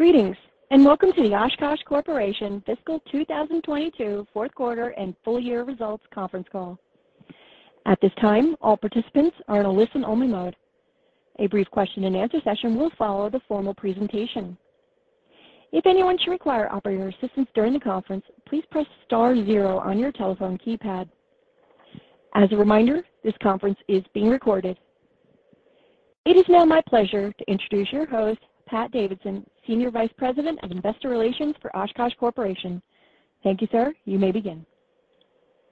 Greetings, welcome to the Oshkosh Corporation Fiscal 2022 Fourth Quarter and Full Year Results Conference Call. At this time all participants are in a listen-only mode. A brief question-and-answer session will follow the formal presentation. If anyone should require operator assistance during the conference, please press star zero on your telephone keypad. As a reminder, this conference is being recorded. It is now my pleasure to introduce your host, Pat Davidson, Senior Vice President of Investor Relations for Oshkosh Corporation. Thank you sir you may begin.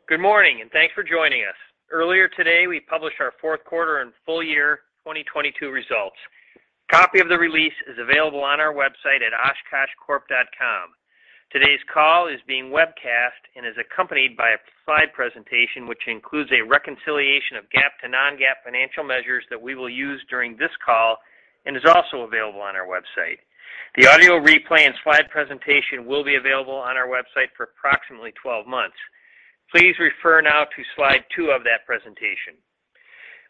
Good morning, and thanks for joining us. Earlier today, we published our fourth quarter and full year 2022 results. Copy of the release is available on our website at oshkoshcorp.com. Today's call is being webcast and is accompanied by a slide presentation which includes a reconciliation of GAAP to non-GAAP financial measures that we will use during this call and is also available on our website. The audio replay and slide presentation will be available on our website for approximately 12 months. Please refer now to slide two of that presentation.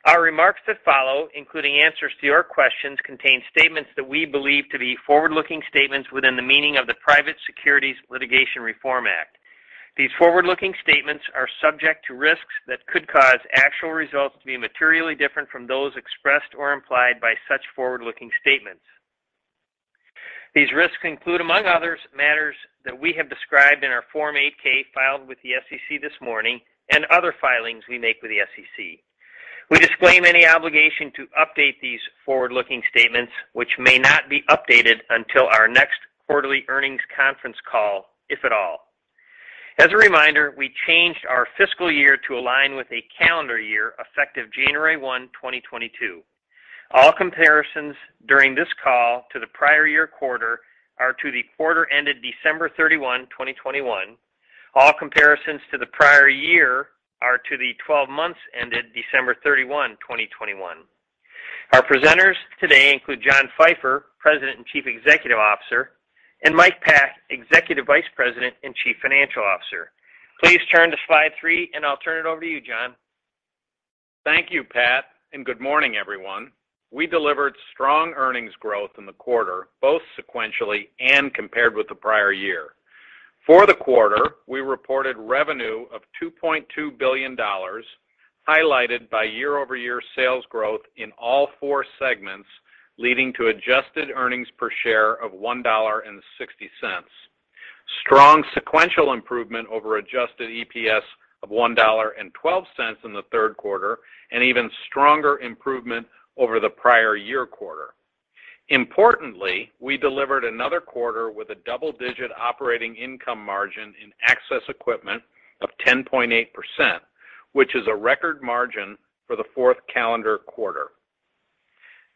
Our remarks that follow, including answers to your questions, contain statements that we believe to be forward-looking statements within the meaning of the Private Securities Litigation Reform Act. These forward-looking statements are subject to risks that could cause actual results to be materially different from those expressed or implied by such forward-looking statements. These risks include among others matters that we have described in our Form 8-K filed with the SEC this morning and other filings we make with the SEC. We disclaim any obligation to update these forward-looking statements, which may not be updated until our next quarterly earnings conference call if at all. As a reminder we changed our fiscal year to align with a calendar year effective January 1, 2022. All comparisons during this call to the prior year quarter are to the quarter ended December 31, 2021. All comparisons to the prior year are to the 12 months ended December 31, 2021. Our presenters today include John Pfeifer, President and Chief Executive Officer, and Mike Pack, Executive Vice President and Chief Financial Officer. Please turn to slide three and I'll turn it over to you John. Thank you, Pat, and good morning, everyone. We delivered strong earnings growth in the quarter both sequentially and compared with the prior year. For the quarter we reported revenue of $2.2 billion, highlighted by year-over-year sales growth in all four segments, leading to adjusted earnings per share of $1.60. Strong sequential improvement over adjusted EPS of $1.12 in the third quarter and even stronger improvement over the prior year quarter. Importantly we delivered another quarter with a double-digit operating income margin in Access of 10.8%, which is a record margin for the fourth calendar quarter.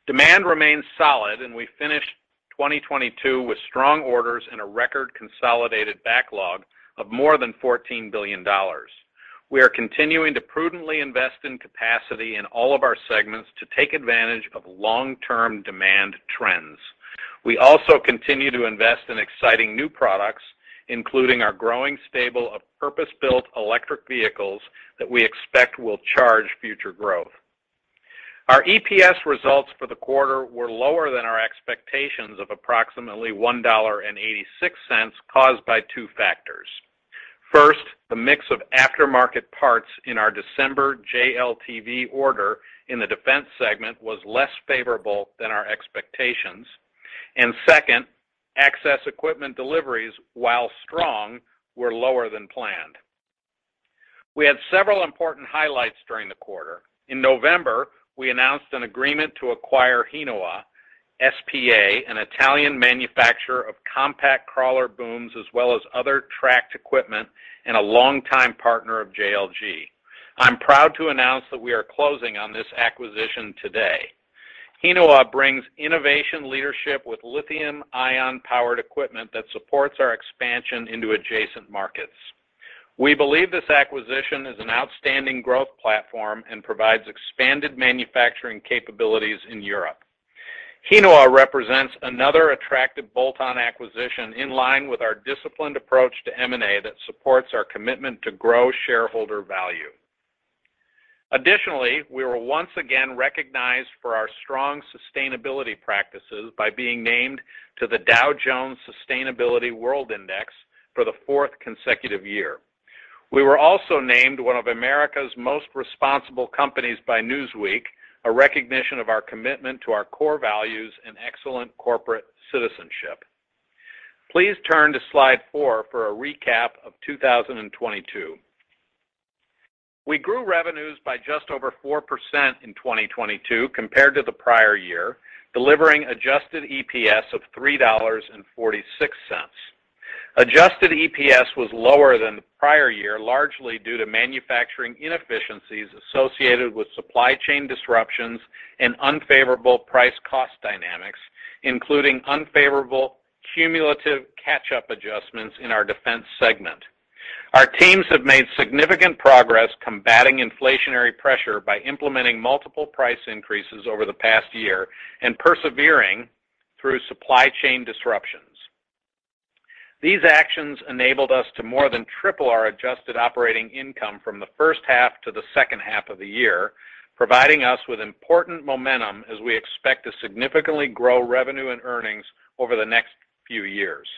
Demand remains solid, and we finished 2022 with strong orders and a record consolidated backlog of more than $14 billion. We are continuing to prudently invest in capacity in all of our segments to take advantage of long-term demand trends. We also continue to invest in exciting new products, including our growing stable of purpose-built electric vehicles that we expect will charge future growth. Our EPS results for the quarter were lower than our expectations of approximately $1.86, caused by two factors. First, the mix of aftermarket parts in our December JLTV order in the Defense segment was less favorable than our expectations. Second, Access equipment deliveries while strong, were lower than planned. We had several important highlights during the quarter. In November, we announced an agreement to acquire Hinowa S.p.A., an Italian manufacturer of compact crawler booms, as well as other tracked equipment and a longtime partner of JLG. I'm proud to announce that we are closing on this acquisition today. Hinowa brings innovation leadership with lithium-ion powered equipment that supports our expansion into adjacent markets. We believe this acquisition is an outstanding growth platform and provides expanded manufacturing capabilities in Europe. Hinowa represents another attractive bolt-on acquisition in line with our disciplined approach to M&A that supports our commitment to grow shareholder value. Additionally, we were once again recognized for our strong sustainability practices by being named to the Dow Jones Sustainability World Index for the fourth consecutive year. We were also named one of America's most responsible companies by Newsweek, a recognition of our commitment to our core values and excellent corporate citizenship. Please turn to slide four for a recap of 2022. We grew revenues by just over 4% in 2022 compared to the prior year, delivering adjusted EPS of $3.46. Adjusted EPS was lower than the prior year, largely due to manufacturing inefficiencies associated with supply chain disruptions and unfavorable price cost dynamics, including unfavorable cumulative catch-up adjustments in our Defense segment. Our teams have made significant progress combating inflationary pressure by implementing multiple price increases over the past year and persevering through supply chain disruptions. These actions enabled us to more than triple our adjusted operating income from the first half to the second half of the year, providing us with important momentum as we expect to significantly grow revenue and earnings over the next few years.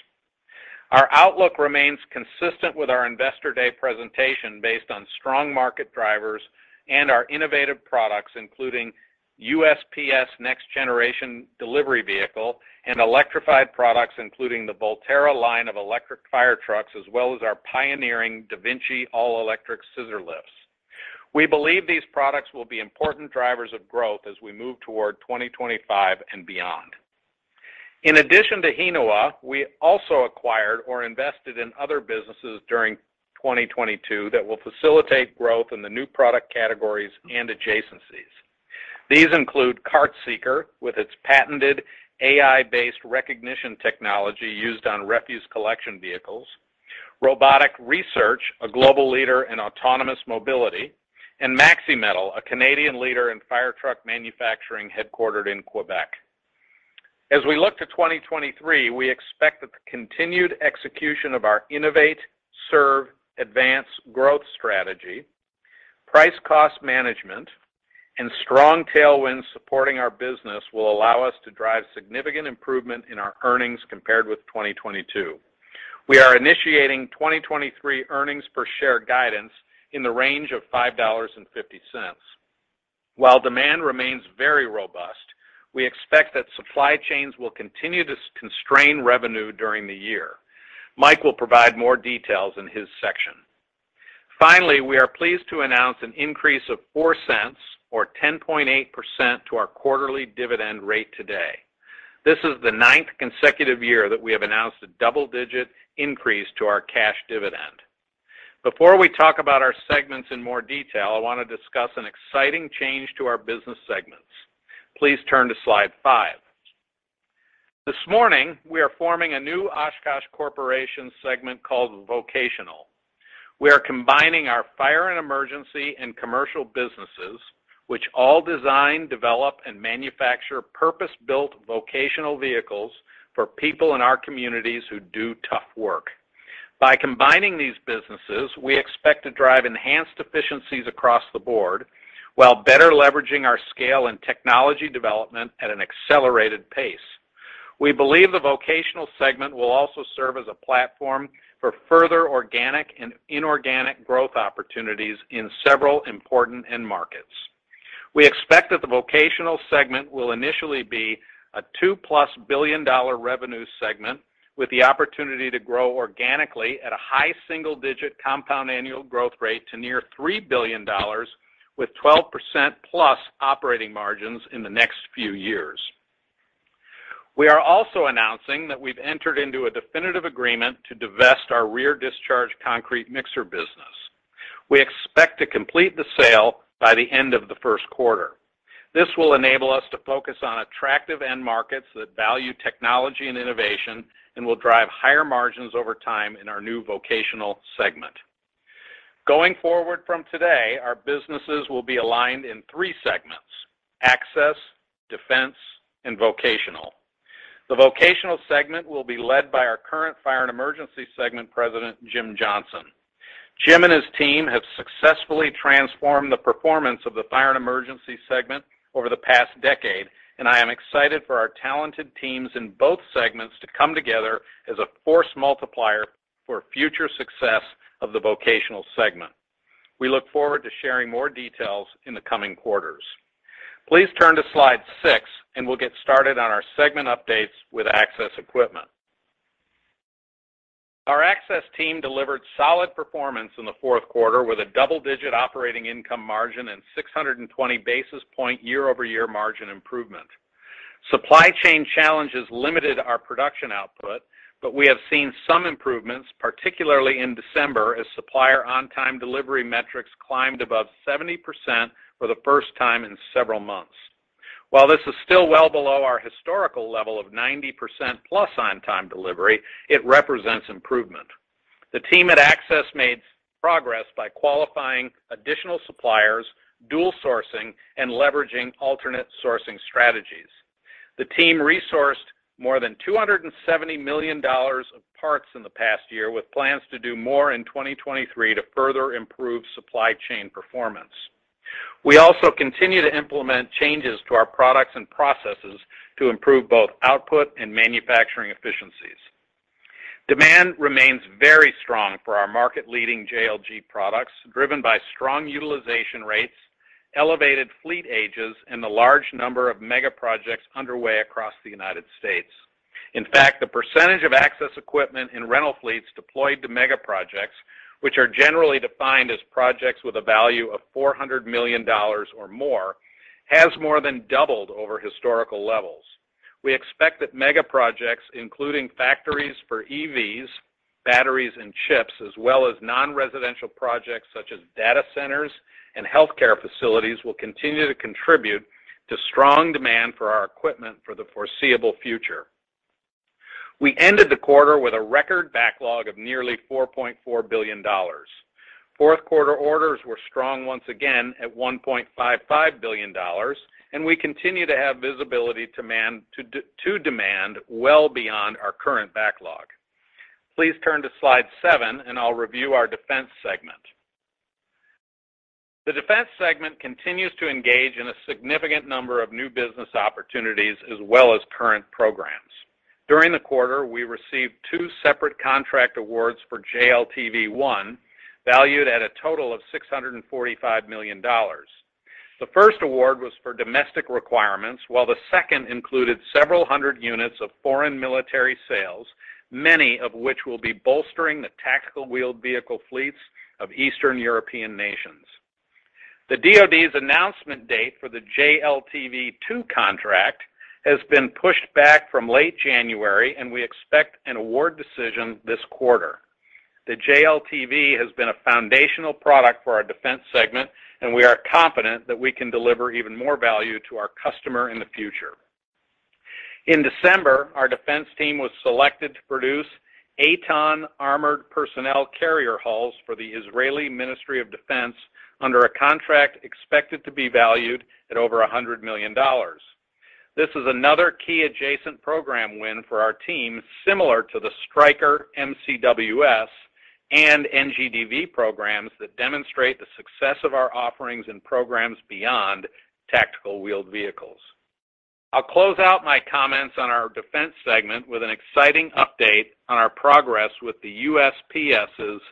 Our outlook remains consistent with our Investor Day presentation based on strong market drivers and our innovative products, including USPS Next Generation Delivery Vehicle and electrified products, including the Volterra line of electric fire trucks, as well as our pioneering DaVinci all-electric scissor lifts. We believe these products will be important drivers of growth as we move toward 2025 and beyond. In addition to Hinowa, we also acquired or invested in other businesses during 2022 that will facilitate growth in the new product categories and adjacencies. These include CartSeeker, with its patented AI-based recognition technology used on refuse collection vehicles, Robotic Research, a global leader in autonomous mobility, and Maxi-Métal, a Canadian leader in fire truck manufacturing headquartered in Quebec. As we look to 2023, we expect that the continued execution of our innovate, serve, advance growth strategy, price cost management, and strong tailwinds supporting our business will allow us to drive significant improvement in our earnings compared with 2022. We are initiating 2023 earnings per share guidance in the range of $5.50. While demand remains very robust, we expect that supply chains will continue to constrain revenue during the year. Mike will provide more details in his section. Finally, we are pleased to announce an increase of $0.04 or 10.8% to our quarterly dividend rate today. This is the ninth consecutive year that we have announced a double-digit increase to our cash dividend. Before we talk about our segments in more detail, I want to discuss an exciting change to our business segments. Please turn to slide five. This morning, we are forming a new Oshkosh Corporation segment called Vocational. We are combining our fire and emergency and commercial businesses which all design develop and manufacture purpose-built Vocational vehicles for people in our communities who do tough work. By combining these businesses, we expect to drive enhanced efficiencies across the board while better leveraging our scale and technology development at an accelerated pace. We believe the Vocational segment will also serve as a platform for further organic and inorganic growth opportunities in several important end markets. We expect that the Vocational segment will initially be a $2+ billion revenue segment with the opportunity to grow organically at a high single-digit compound annual growth rate to near $3 billion with 12%+ operating margins in the next few years. We are also announcing that we've entered into a definitive agreement to divest our rear discharge concrete mixer business. We expect to complete the sale by the end of the first quarter. This will enable us to focus on attractive end markets that value technology and innovation and will drive higher margins over time in our new Vocational segment. Going forward from today, our businesses will be aligned in three segments, Access, Defense, and Vocational. The Vocational segment will be led by our current Fire & Emergency segment president, Jim Johnson. Jim and his team have successfully transformed the performance of the Fire & Emergency segment over the past decade, and I am excited for our talented teams in both segments to come together as a force multiplier for future success of the Vocational segment. We look forward to sharing more details in the coming quarters. Please turn to slide 6, and we'll get started on our segment updates with Access Equipment. Our Access team delivered solid performance in the fourth quarter with a double-digit operating income margin and 620 basis points year-over-year margin improvement. Supply chain challenges limited our production output, but we have seen some improvements, particularly in December, as supplier on-time delivery metrics climbed above 70% for the first time in several months. While this is still well below our historical level of 90%+ on-time delivery, it represents improvement. The team at Access made progress by qualifying additional suppliers, dual sourcing, and leveraging alternate sourcing strategies. The team resourced more than $270 million of parts in the past year with plans to do more in 2023 to further improve supply chain performance. We also continue to implement changes to our products and processes to improve both output and manufacturing efficiencies. Demand remains very strong for our market-leading JLG products, driven by strong utilization rates, elevated fleet ages, and the large number of mega projects underway across the United States. In fact, the percentage of Access Equipment in rental fleets deployed to mega projects, which are generally defined as projects with a value of $400 million or more, has more than doubled over historical levels. We expect that mega projects, including factories for EVs, batteries, and chips, as well as non-residential projects such as data centers and healthcare facilities, will continue to contribute to strong demand for our equipment for the foreseeable future. We ended the quarter with a record backlog of nearly $4.4 billion. Fourth quarter orders were strong once again at $1.55 billion, and we continue to have visibility to demand well beyond our current backlog. Please turn to slide seven. I'll review our Defense segment. The Defense segment continues to engage in a significant number of new business opportunities as well as current programs. During the quarter, we received two separate contract awards for JLTV A1, valued at a total of $645 million. The first award was for domestic requirements, while the second included several hundred units of foreign military sales, many of which will be bolstering the tactical wheeled vehicle fleets of Eastern European nations. The DOD's announcement date for the JLTV A2 contract has been pushed back from late January, and we expect an award decision this quarter. The JLTV has been a foundational product for our Defense segment, and we are confident that we can deliver even more value to our customer in the future. In December our Defense team was selected to produce 8-ton armored personnel carrier hulls for the Israeli Ministry of Defense under a contract expected to be valued at over $100 million. This is another key adjacent program win for our team similar to the Stryker MCWS and NGDV programs that demonstrate the success of our offerings and programs beyond tactical wheeled vehicles. I'll close out my comments on our Defense segment with an exciting update on our progress with the USPS's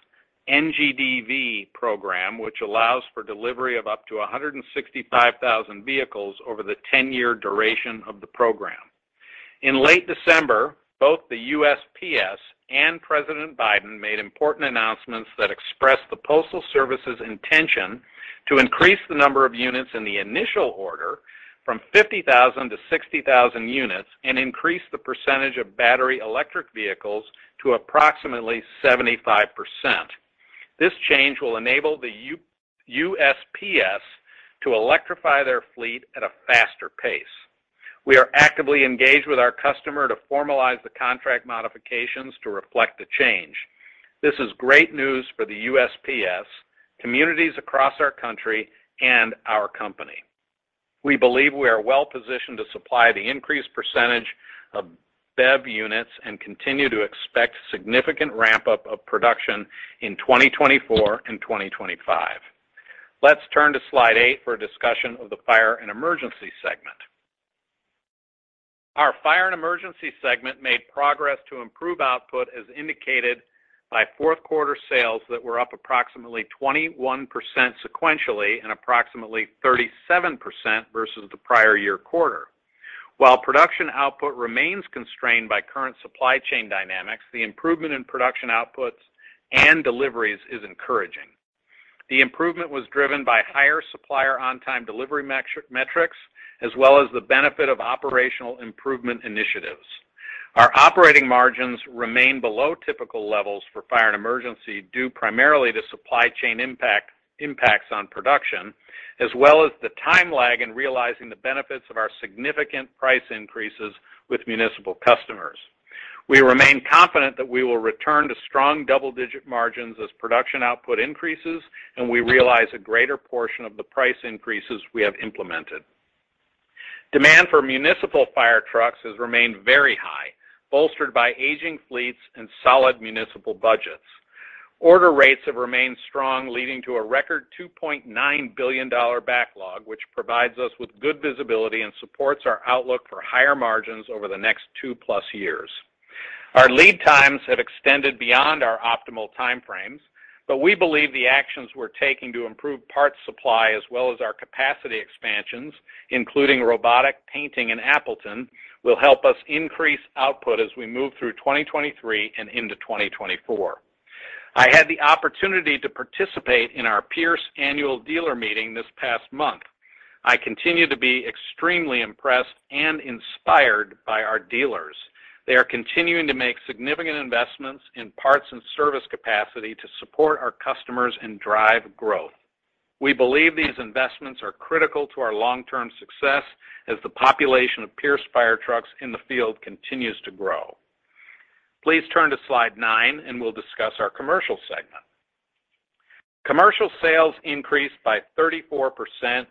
NGDV program which allows for delivery of up to 165,000 vehicles over the 10-year duration of the program. In late December both the USPS and President Biden made important announcements that expressed the Postal Service's intention to increase the number of units in the initial order from 50,000 to 60,000 units and increase the percentage of battery electric vehicles to approximately 75%. This change will enable the USPS to electrify their fleet at a faster pace. We are actively engaged with our customer to formalize the contract modifications to reflect the change. This is great news for the USPS communities across our country and our company. We believe we are well-positioned to supply the increased percentage of BEV units and continue to expect significant ramp-up of production in 2024 and 2025. Let's turn to slide eight for a discussion of the fire and emergency segment. Our fire and emergency segment made progress to improve output as indicated by fourth quarter sales that were up approximately 21% sequentially and approximately 37% versus the prior year quarter. While production output remains constrained by current supply chain dynamics, the improvement in production outputs and deliveries is encouraging. The improvement was driven by higher supplier on-time delivery metrics, as well as the benefit of operational improvement initiatives. Our operating margins remain below typical levels for fire and emergency due primarily to supply chain impacts on production, as well as the time lag in realizing the benefits of our significant price increases with municipal customers. We remain confident that we will return to strong double-digit margins as production output increases, and we realize a greater portion of the price increases we have implemented. Demand for municipal fire trucks has remained very high, bolstered by aging fleets and solid municipal budgets. Order rates have remained strong, leading to a record $2.9 billion backlog, which provides us with good visibility and supports our outlook for higher margins over the next two plus years. Our lead times have extended beyond our optimal time frames, but we believe the actions we're taking to improve parts supply as well as our capacity expansions, including robotic painting in Appleton, will help us increase output as we move through 2023 and into 2024. I had the opportunity to participate in our Pierce annual dealer meeting this past month. I continue to be extremely impressed and inspired by our dealers. They are continuing to make significant investments in parts and service capacity to support our customers and drive growth. We believe these investments are critical to our long-term success as the population of Pierce fire trucks in the field continues to grow. Please turn to slide nine and we'll discuss our commercial segment. Commercial sales increased by 34%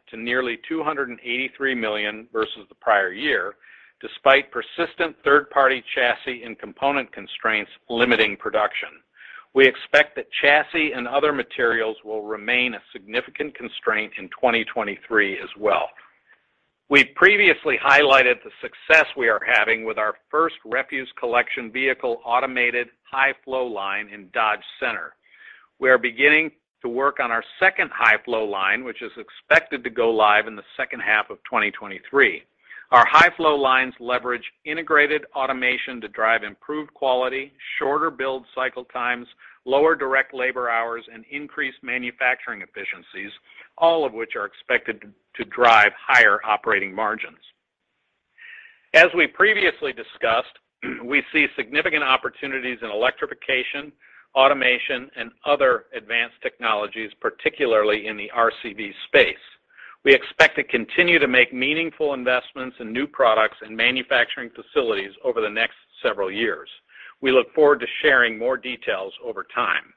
to nearly $283 million versus the prior year despite persistent third-party chassis and component constraints limiting production. We expect that chassis and other materials will remain a significant constraint in 2023 as well. We previously highlighted the success we are having with our first refuse collection vehicle automated high flow line in Dodge Center. We are beginning to work on our second high flow line which is expected to go live in the second half of 2023. Our high flow lines leverage integrated automation to drive improved quality, shorter build cycle times, lower direct labor hours, and increased manufacturing efficiencies, all of which are expected to drive higher operating margins. As we previously discussed we see significant opportunities in electrification, automation, and other advanced technologies, particularly in the RCV space. We expect to continue to make meaningful investments in new products and manufacturing facilities over the next several years. We look forward to sharing more details over time.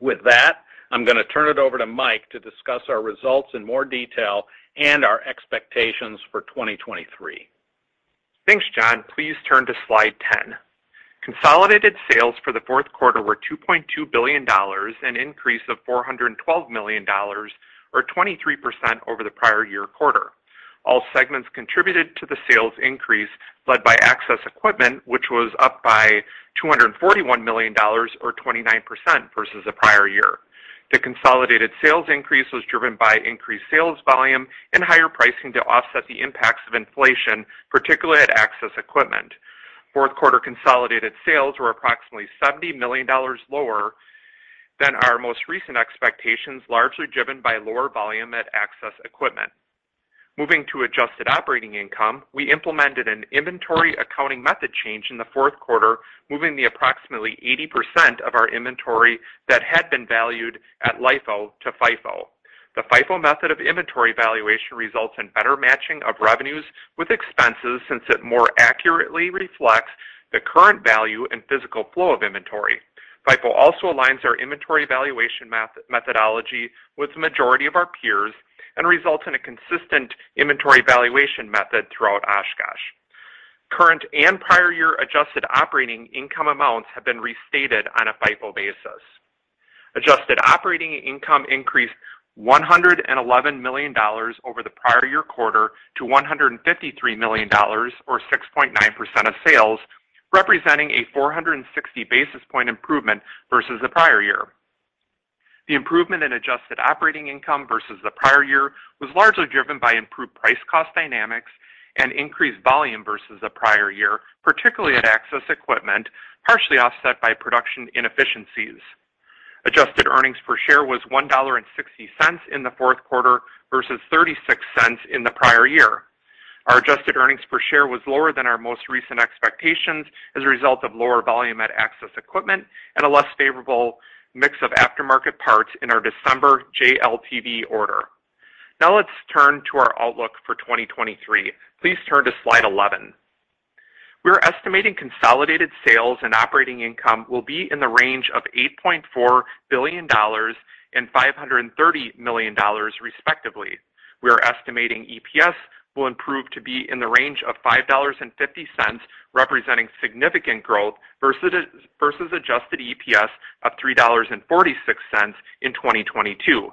With that, I'm going to turn it over to Mike to discuss our results in more detail and our expectations for 2023. Thanks, John. Please turn to slide 10. Consolidated sales for the fourth quarter were $2.2 billion, an increase of $412 million, or 23% over the prior-year quarter. All segments contributed to the sales increase led by Access equipment which was up by $241 million or 29% versus the prior year. The consolidated sales increase was driven by increased sales volume and higher pricing to offset the impacts of inflation, particularly at Access equipment. Fourth quarter consolidated sales were approximately $70 million lower than our most recent expectations largely driven by lower volume at Access equipment. Moving to adjusted operating income we implemented an inventory accounting method change in the fourth quarter moving the approximately 80% of our inventory that had been valued at LIFO to FIFO. The FIFO method of inventory valuation results in better matching of revenues with expenses since it more accurately reflects the current value and physical flow of inventory. FIFO also aligns our inventory valuation methodology with the majority of our peers and results in a consistent inventory valuation method throughout Oshkosh. Current and prior year adjusted operating income amounts have been restated on a FIFO basis. Adjusted operating income increased $111 million over the prior year quarter to $153 million or 6.9% of sales, representing a 460 basis point improvement versus the prior year. The improvement in adjusted operating income versus the prior year was largely driven by improved price cost dynamics and increased volume versus the prior year, particularly at Access equipment, partially offset by production inefficiencies. Adjusted earnings per share was $1.60 in the fourth quarter versus $0.36 in the prior year. Our adjusted earnings per share was lower than our most recent expectations as a result of lower volume at Access equipment and a less favorable mix of aftermarket parts in our December JLTV order. Let's turn to our outlook for 2023. Please turn to slide 11. We are estimating consolidated sales and operating income will be in the range of $8.4 billion and $530 million, respectively. We are estimating EPS will improve to be in the range of $5.50, representing significant growth versus adjusted EPS of $3.46 in 2022.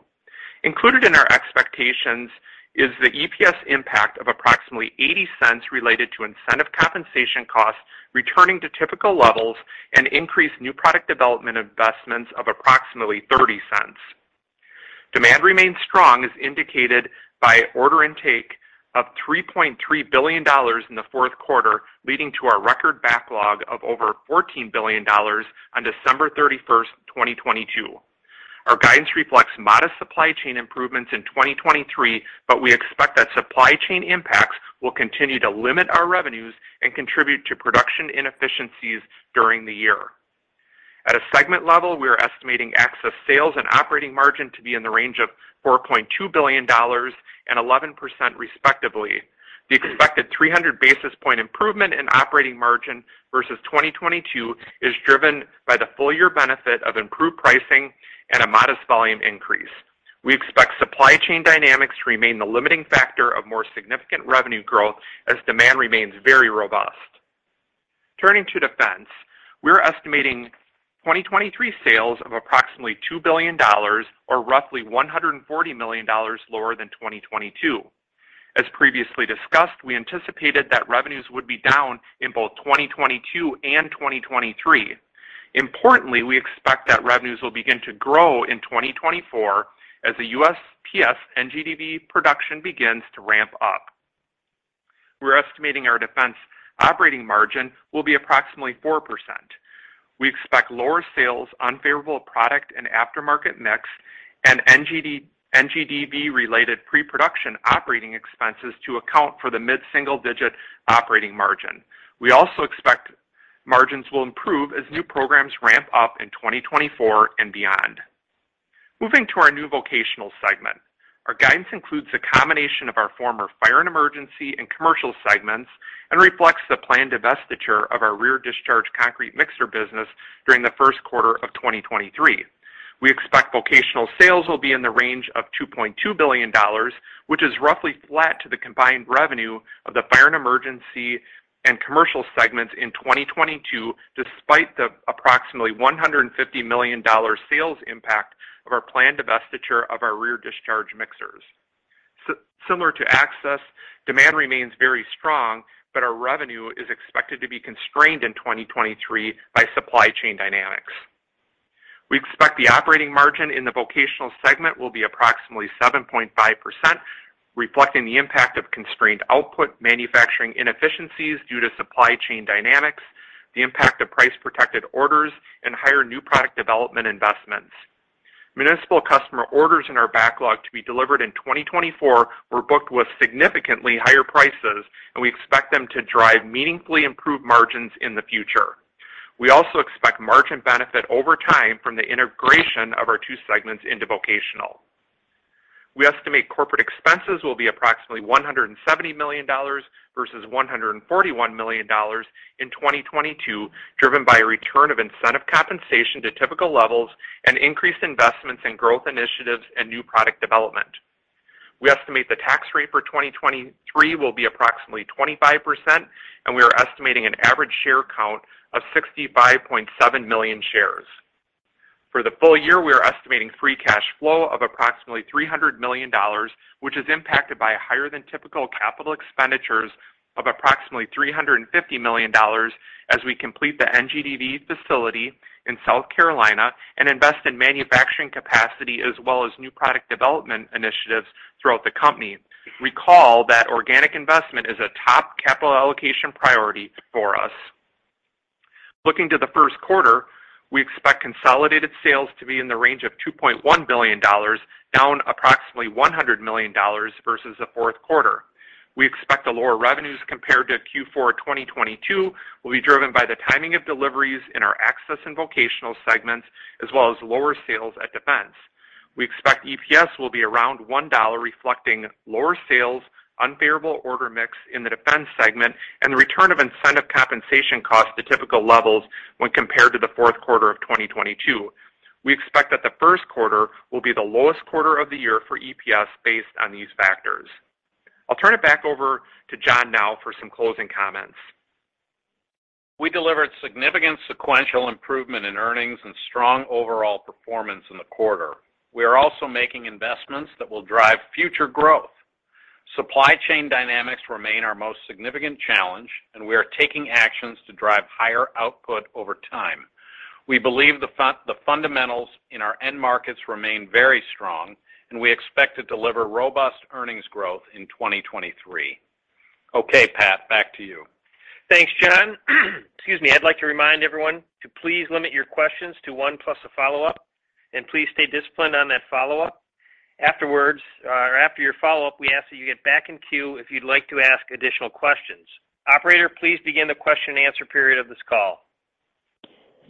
Included in our expectations is the EPS impact of approximately $0.80 related to incentive compensation costs returning to typical levels and increased new product development investments of approximately $0.30. Demand remains strong as indicated by order intake of $3.3 billion in the fourth quarter, leading to our record backlog of over $14 billion on December 31st, 2022. Our guidance reflects modest supply chain improvements in 2023, but we expect that supply chain impacts will continue to limit our revenues and contribute to production inefficiencies during the year. At a segment level, we are estimating Access sales and operating margin to be in the range of $4.2 billion and 11%, respectively. The expected 300 basis point improvement in operating margin versus 2022 is driven by the full year benefit of improved pricing and a modest volume increase. We expect supply chain dynamics to remain the limiting factor of more significant revenue growth as demand remains very robust. Turning to Defense, we're estimating 2023 sales of approximately $2 billion or roughly $140 million lower than 2022. As previously discussed, we anticipated that revenues would be down in both 2022 and 2023. Importantly, we expect that revenues will begin to grow in 2024 as the USPS NGDV production begins to ramp up. We're estimating our Defense operating margin will be approximately 4%. We expect lower sales, unfavorable product and after-market mix, and NGDV related pre-production operating expenses to account for the mid-single digit operating margin. We also expect margins will improve as new programs ramp up in 2024 and beyond. Moving to our new Vocational segment. Our guidance includes a combination of our former Fire and Emergency and Commercial segments and reflects the planned divestiture of our rear discharge concrete mixer business during the first quarter of 2023. We expect Vocational sales will be in the range of $2.2 billion, which is roughly flat to the combined revenue of the Fire and Emergency and Commercial segments in 2022 despite the approximately $150 million sales impact of our planned divestiture of our rear discharge mixers. Similar to Access, demand remains very strong but our revenue is expected to be constrained in 2023 by supply chain dynamics. We expect the operating margin in the Vocational segment will be approximately 7.5%, reflecting the impact of constrained output, manufacturing inefficiencies due to supply chain dynamics, the impact of price protected orders and higher new product development investments. Municipal customer orders in our backlog to be delivered in 2024 were booked with significantly higher prices, and we expect them to drive meaningfully improved margins in the future. We also expect margin benefit over time from the integration of our two segments into Vocational. We estimate corporate expenses will be approximately $170 million versus $141 million in 2022, driven by a return of incentive compensation to typical levels and increased investments in growth initiatives and new product development. We estimate the tax rate for 2023 will be approximately 25% and we are estimating an average share count of 65.7 million shares. For the full year we are estimating free cash flow of approximately $300 million, which is impacted by higher than typical capital expenditures of approximately $350 million as we complete the NGDV facility in South Carolina and invest in manufacturing capacity as well as new product development initiatives throughout the company. Recall that organic investment is a top capital allocation priority for us. Looking to the first quarter we expect consolidated sales to be in the range of $2.1 billion, down approximately $100 million versus the fourth quarter. We expect the lower revenues compared to Q4 2022 will be driven by the timing of deliveries in our Access and Vocational segments, as well as lower sales at Defense. We expect EPS will be around $1, reflecting lower sales unfavorable order mix in the Defense segment, and the return of incentive compensation costs to typical levels when compared to the fourth quarter of 2022. We expect that the first quarter will be the lowest quarter of the year for EPS based on these factors. I'll turn it back over to John now for some closing comments. We delivered significant sequential improvement in earnings and strong overall performance in the quarter. We are also making investments that will drive future growth. Supply chain dynamics remain our most significant challenge, and we are taking actions to drive higher output over time. We believe the fundamentals in our end markets remain very strong, and we expect to deliver robust earnings growth in 2023. Okay, Pat, back to you. Thanks John excuse me. I'd like to remind everyone to please limit your questions to one plus a follow-up, and please stay disciplined on that follow-up. Afterwards or after your follow-up, we ask that you get back in queue if you'd like to ask additional questions. Operator, please begin the question and answer period of this call.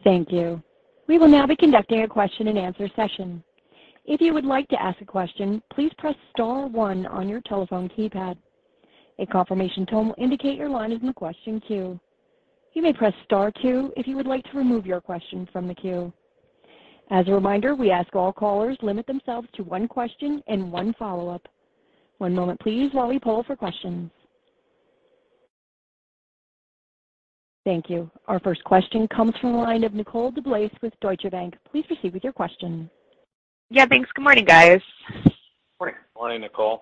Thank you. We will now be conducting a question-and-answer session. If you would like to ask a question, please press star one on your telephone keypad. A confirmation tone will indicate your line is in the question queue. You may press star two if you would like to remove your question from the queue. As a reminder, we ask all callers limit themselves to one question and one follow-up. One moment please while we poll for questions thank you. Our first question comes from the line of Nicole DeBlase with Deutsche Bank. Please proceed with your question. Yeah, thanks. Good morning, guys. Morning. Morning, Nicole.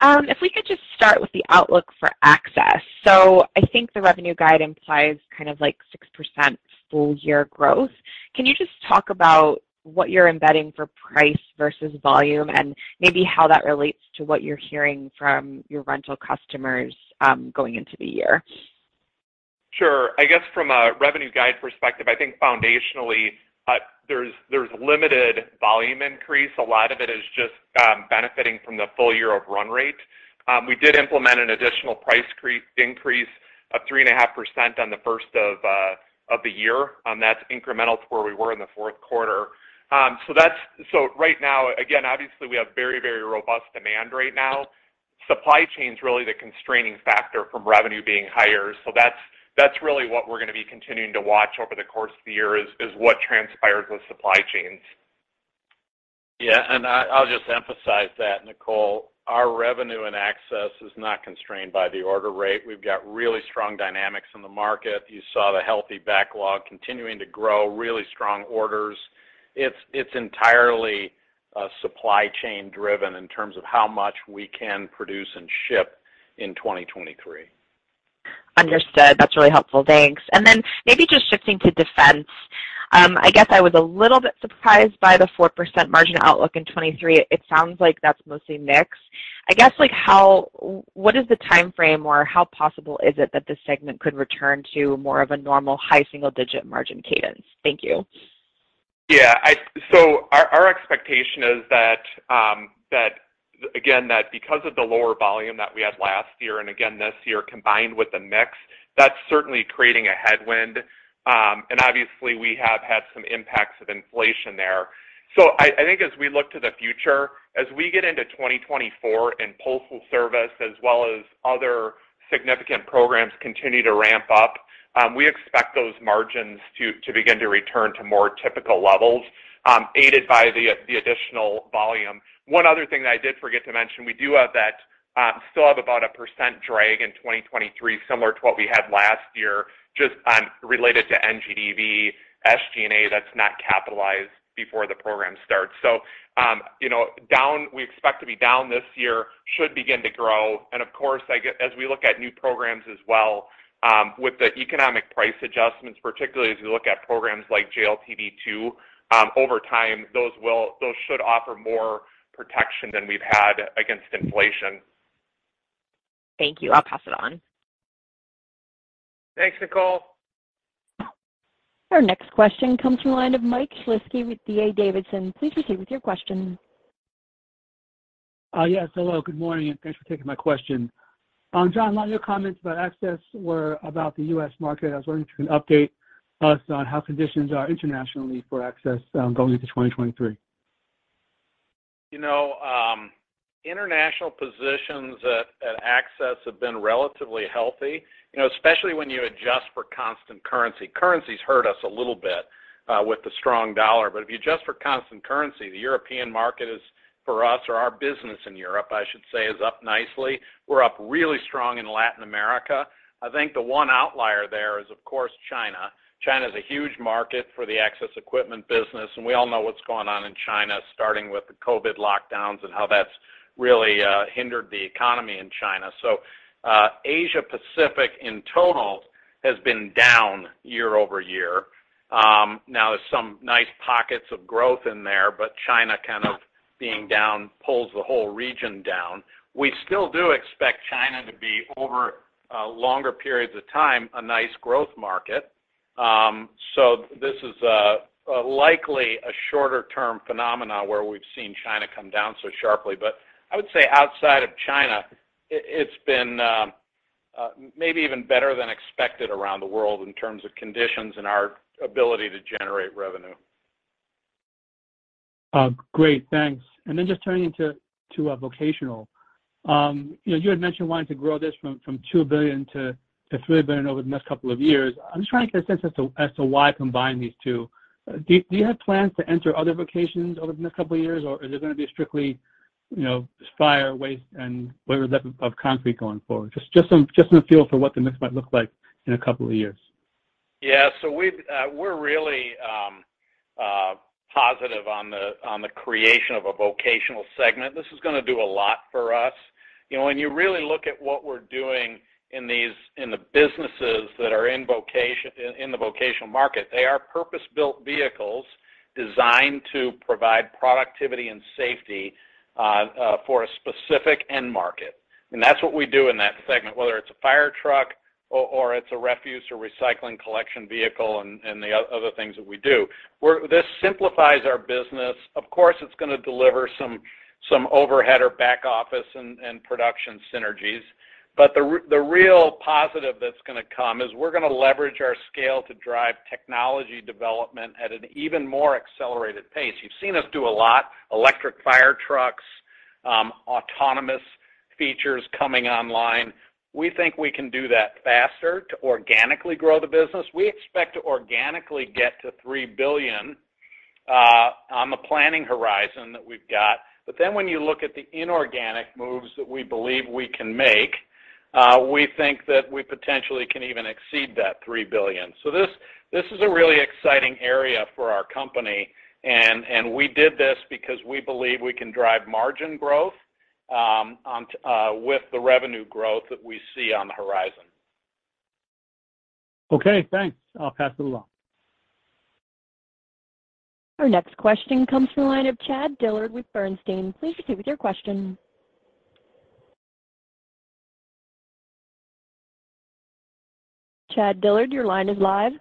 If we could just start with the outlook for Access. I think the revenue guide implies kind of like 6% full year growth. Can you just talk about what you're embedding for price versus volume and maybe how that relates to what you're hearing from your rental customers going into the year? Sure. I guess from a revenue guide perspective, I think foundationally, there's limited volume increase. A lot of it is just benefiting from the full year of run rate. We did implement an additional price increase of 3.5% on the 1st of the year, That's incremental to where we were in the 4th quarter. Right now, again, obviously we have very robust demand right now. Supply chain is really the constraining factor from revenue being higher. That's really what we're gonna be continuing to watch over the course of the year is what transpires with supply chains. I'll just emphasize that, Nicole. Our Revenue and Access is not constrained by the order rate. We've got really strong dynamics in the market. You saw the healthy backlog continuing to grow, really strong orders. It's entirely supply chain driven in terms of how much we can produce and ship in 2023. Understood. That's really helpful thanks. Maybe just shifting to Defense. I guess I was a little bit surprised by the 4% margin outlook in 2023. It sounds like that's mostly mix. I guess, like, what is the timeframe or how possible is it that this segment could return to more of a normal high single-digit margin cadence? Thank you. Yeah. I Our expectation is that again, that because of the lower volume that we had last year and again this year combined with the mix that's certainly creating a headwind. And obviously we have had some impacts of inflation there. I think as we look to the future as we get into 2024 and Postal Service as well as other significant programs continue to ramp up, we expect those margins to begin to return to more typical levels aided by the additional volume. One other thing that I did forget to mention we do have that still have about a % drag in 2023 similar to what we had last year just on related to NGDV, SG&A that's not capitalized before the program starts. you know, we expect to be down this year, should begin to grow. Of course, as we look at new programs as well, with the economic price adjustments particularly as we look at programs like JLTV A2 over time those should offer more protection than we've had against inflation. Thank you. I'll pass it on. Thanks, Nicole. Our next question comes from the line of Mike Shlisky with D.A. Davidson. Please proceed with your question. Yes. Hello, good morning, thanks for taking my question. John, a lot of your comments about Access were about the U.S. market. I was wondering if you can update us on how conditions are internationally for Access, going into 2023. You know, international positions at Access have been relatively healthy. You know, especially when you adjust for constant currency. Currency's hurt us a little bit with the strong dollar. If you adjust for constant currency, the European market is for us, or our business in Europe, I should say, is up nicely. We're up really strong in Latin America. I think the one outlier there is of course China. China's a huge market for the Access equipment business, and we all know what's going on in China, starting with the COVID lockdowns and how that's really hindered the economy in China. Asia Pacific in total has been down year-over-year. Now there's some nice pockets of growth in there but China kind of being down pulls the whole region down. We still do expect China to be over longer periods of time a nice growth market. This is a likely a shorter term phenomenon where we've seen China come down so sharply. I would say outside of China it's been maybe even better than expected around the world in terms of conditions and our ability to generate revenue. Great. Thanks. Just turning to Vocational. You know, you had mentioned wanting to grow this from $2 billion-$3 billion over the next couple of years. I'm just trying to get a sense as to why combine these two. Do you have plans to enter other vocations over the next couple of years, or is it gonna be strictly you know fire, waste, and remnant of concrete going forward? Just some feel for what the mix might look like in a couple of years. Yeah. We're really positive on the creation of a Vocational segment. This is gonna do a lot for us. You know, when you really look at what we're doing in the businesses that are in the Vocational market, they are purpose-built vehicles designed to provide productivity and safety for a specific end market. That's what we do in that segment, whether it's a fire truck or it's a refuse or recycling collection vehicle and the other things that we do. This simplifies our business. Of course, it's gonna deliver some overhead or back office and production synergies. The real positive that's gonna come is we're gonna leverage our scale to drive technology development at an even more accelerated pace. You've seen us do a lot, electric fire trucks, autonomous features coming online. We think we can do that faster to organically grow the business. We expect to organically get to $3 billion, on the planning horizon that we've got. When you look at the inorganic moves that we believe we can make we think that we potentially can even exceed that $3 billion. This is a really exciting area for our company, and we did this because we believe we can drive margin growth on with the revenue growth that we see on the horizon. Okay, thanks. I'll pass it along. Our next question comes from the line of Chad Dillard with Bernstein. Please proceed with your question. Chad Dillard, your line is live.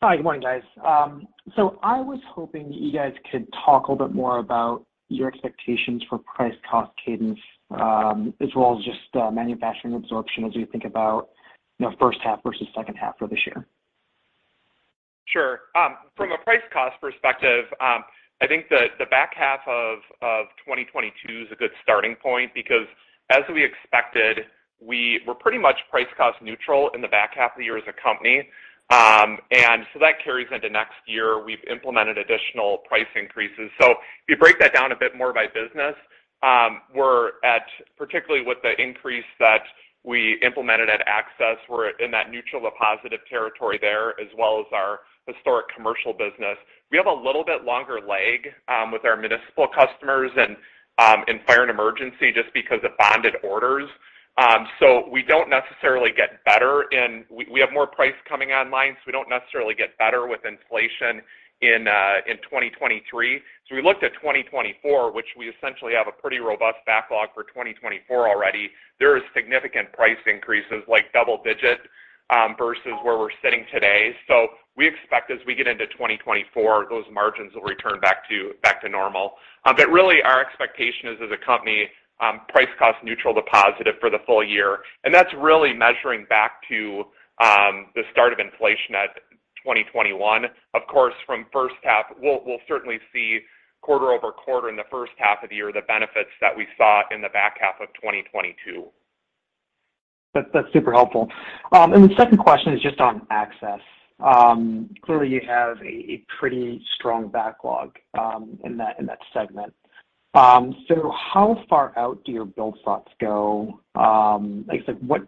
Hi. Good morning guys. I was hoping you guys could talk a little bit more about your expectations for price cost cadence as well as just manufacturing absorption as we think about you know first half versus second half for this year. Sure. From a price cost perspective, I think the back half of 2022 is a good starting point because as we expected we were pretty much price cost neutral in the back half of the year as a company. That carries into next year we've implemented additional price increases. If you break that down a bit more by business we're at particularly with the increase that we implemented at Access we're in that neutral to positive territory there as well as our historic commercial business. We have a little bit longer leg with our municipal customers and fire and emergency just because of bonded orders. We don't necessarily get better; we have more price coming online so we don't necessarily get better with inflation in 2023. We looked at 2024, which we essentially have a pretty robust backlog for 2024 already. There is significant price increases like double-digit, versus where we're sitting today. We expect as we get into 2024, those margins will return back to normal. Really our expectation is as a company price-cost neutral to positive for the full year. That's really measuring back to the start of inflation at 2021. Of course, from first half we'll certainly see quarter-over-quarter in the first half of the year the benefits that we saw in the back half of 2022. That's super helpful. The second question is just on Access. Clearly you have a pretty strong backlog in that segment. How far out do your build slots go? I guess like what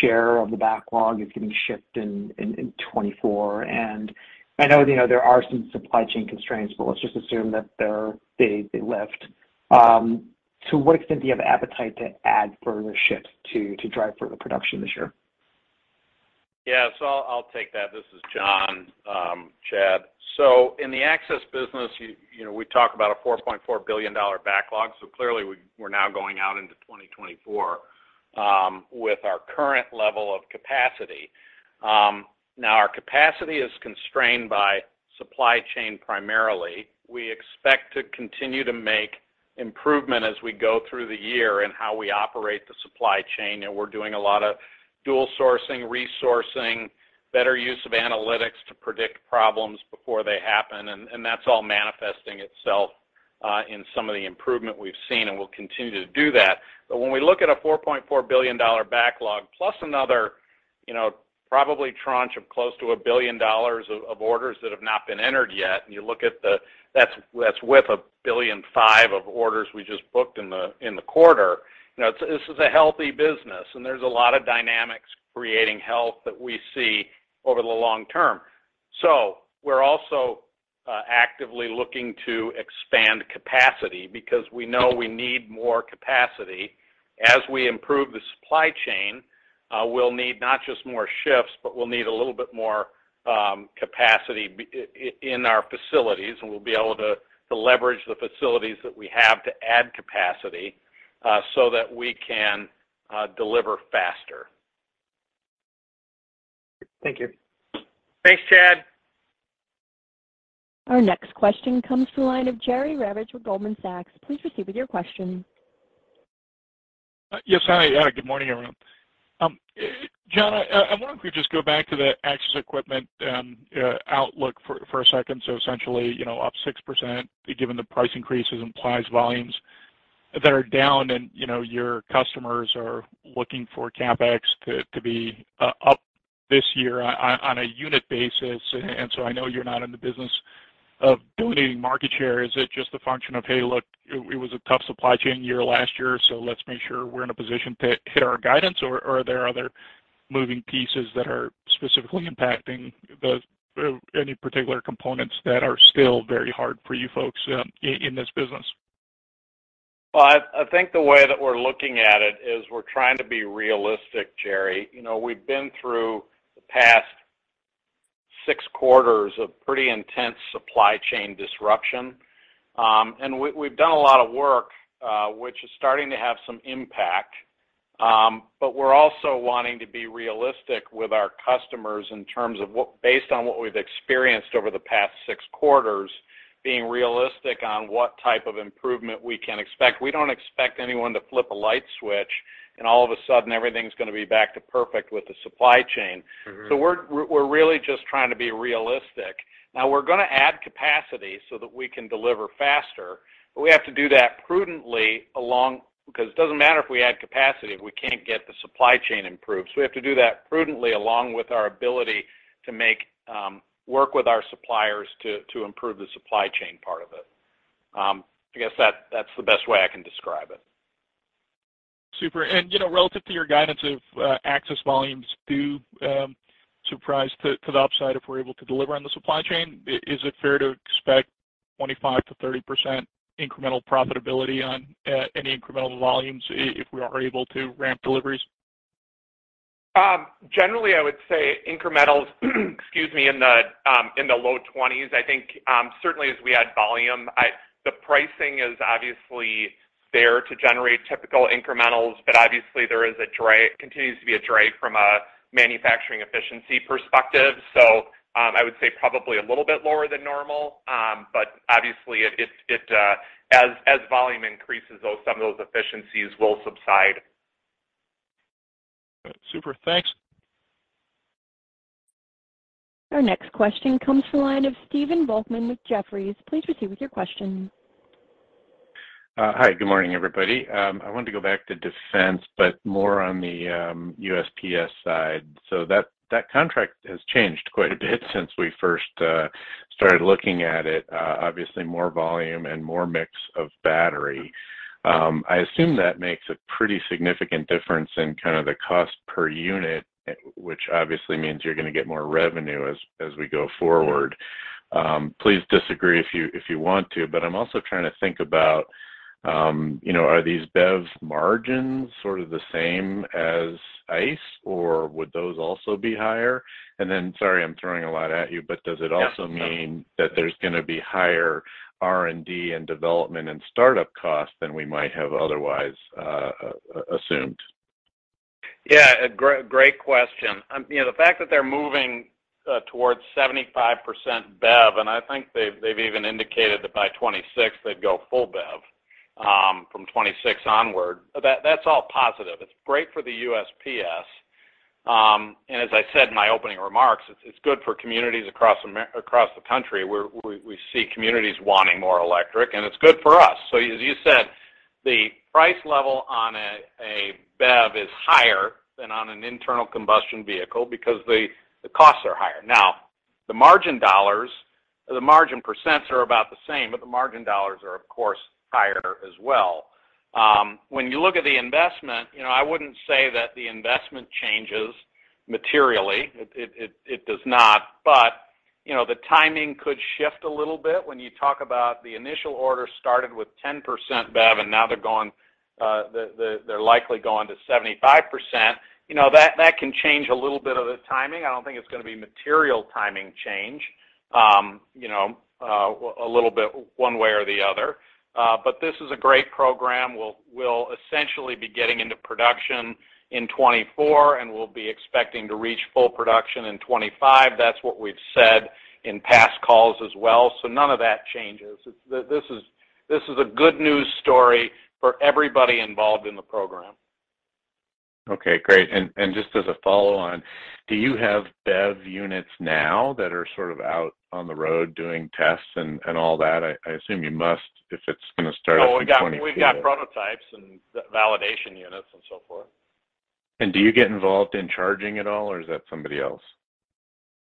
share of the backlog is getting shipped in 2024? I know you know, there are some supply chain constraints but let's just assume that they lift. To what extent do you have appetite to add further ships to drive further production this year? Yeah. I'll take that. This is John, Chad. In the Access business you know, we talk about a $4.4 billion backlog clearly we're now going out into 2024 with our current level of capacity. Now our capacity is constrained by supply chain primarily. We expect to continue to make improvement as we go through the year in how we operate the supply chain, and we're doing a lot of dual sourcing, resourcing, better use of analytics to predict problems before they happen and that's all manifesting itself in some of the improvement we've seen and will continue to do that. When we look at a $4.4 billion backlog plus another, you know, probably tranche of close to $1 billion of orders that have not been entered yet and you look at that's with $1.5 billion of orders we just booked in the quarter. You know, this is a healthy business, and there's a lot of dynamics creating health that we see over the long term. We're also actively looking to expand capacity because we know we need more capacity. As we improve the supply chain, we'll need not just more shifts but we'll need a little bit more capacity in our facilities and we'll be able to leverage the facilities that we have to add capacity so that we can deliver faster. Thank you. Thanks, Chad. Our next question comes from the line of Jerry Revich with Goldman Sachs. Please proceed with your question. Yes. Hi. Good morning, everyone. John, I wonder if you just go back to the access equipment outlook for a second. Essentially, you know, up 6%, given the price increases implies volumes that are down and you know, your customers are looking for CapEx to be up this year on a unit basis. I know you're not in the business of donating market share. Is it just a function of, "Hey, look, it was a tough supply chain year last year, so let's make sure we're in a position to hit our guidance," or are there other moving pieces that are specifically impacting any particular components that are still very hard for you folks in this business? I think the way that we're looking at it is we're trying to be realistic, Jerry. You know, we've been through the past six quarters of pretty intense supply chain disruption, we've done a lot of work, which is starting to have some impact. We're also wanting to be realistic with our customers in terms of what based on what we've experienced over the past six quarters being realistic on what type of improvement we can expect. We don't expect anyone to flip a light switch and all of a sudden everything's gonna be back to perfect with the supply chain. Mm-hmm. We're really just trying to be realistic. We're going to add capacity so that we can deliver faster but we have to do that prudently because it doesn't matter if we add capacity, if we can't get the supply chain improved. We have to do that prudently along with our ability to make work with our suppliers to improve the supply chain part of it. I guess that's the best way I can describe it. Super. you know relative to your guidance of, access volumes do surprise to the upside if we're able to deliver on the supply chain is it fair to expect 25%-30% incremental profitability on, any incremental volumes if we are able to ramp deliveries? Generally, I would say incrementals, excuse me in the low 20s. I think certainly as we add volume, the pricing is obviously there to generate typical incremental, but obviously there is a drape it continues to be a drape from a manufacturing efficiency perspective. I would say probably a little bit lower than normal. Obviously it, it as volume increases, though, some of those efficiencies will subside. Super. Thanks. Our next question comes from the line of Stephen Volkmann with Jefferies. Please proceed with your question. Hi. Good morning, everybody. I wanted to go back to Defense, but more on the USPS side. That contract has changed quite a bit since we first started looking at it. Obviously more volume and more mix of battery. I assume that makes a pretty significant difference in kind of the cost per unit which obviously means you're gonna get more revenue as we go forward. Please disagree if you want to but I'm also trying to think about you know, are these BEVs margins sort of the same as ICE, or would those also be higher? Sorry, I'm throwing a lot at you but does it also mean that there's gonna be higher R&D and development and startup costs than we might have otherwise assumed? Yeah. A great question. You know, the fact that they're moving towards 75% BEV, and I think they've even indicated that by 2026, they'd go full BEV from 2026 onward. That's all positive. It's great for the USPS. As I said in my opening remarks, it's good for communities across the country where we see communities wanting more electric and it's good for us. As you said, the price level on a BEV is higher than on an internal combustion vehicle because the costs are higher. Now, the margin dollars, the margin % are about the same but the margin dollars are of course higher as well. When you look at the investment you know, I wouldn't say that the investment changes materially. It does not, but you know, the timing could shift a little bit when you talk about the initial order started with 10%, BEV, and now they're likely going to 75%. You know, that can change a little bit of the timing. I don't think it's gonna be material timing change you know a little bit one way or the other. This is a great program. We'll essentially be getting into production in 2024, and we'll be expecting to reach full production in 2025. That's what we've said in past calls as well none of that changes. This is this is a good news story for everybody involved in the program. Okay, great. Just as a follow on, do you have BEV units now that are sort of out on the road doing tests and all that? I assume you must if it's gonna start up in 2024. Oh, we've got prototypes and validation units and so forth. Do you get involved in charging at all, or is that somebody else?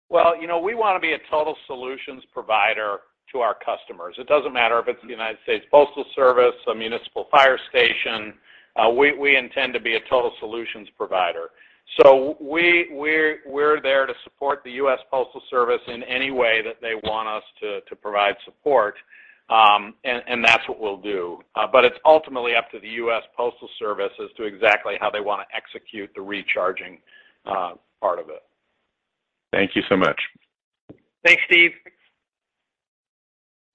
Well, you know we wanna be a total solutions provider to our customers. It doesn't matter if it's the United States Postal Service, a municipal fire station, we intend to be a total solutions provider. We're there to support the US Postal Service in any way that they want us to provide support and that's what we'll do. It's ultimately up to the US Postal Service as to exactly how they wanna execute the recharging part of it. Thank you so much. Thanks, Stephen.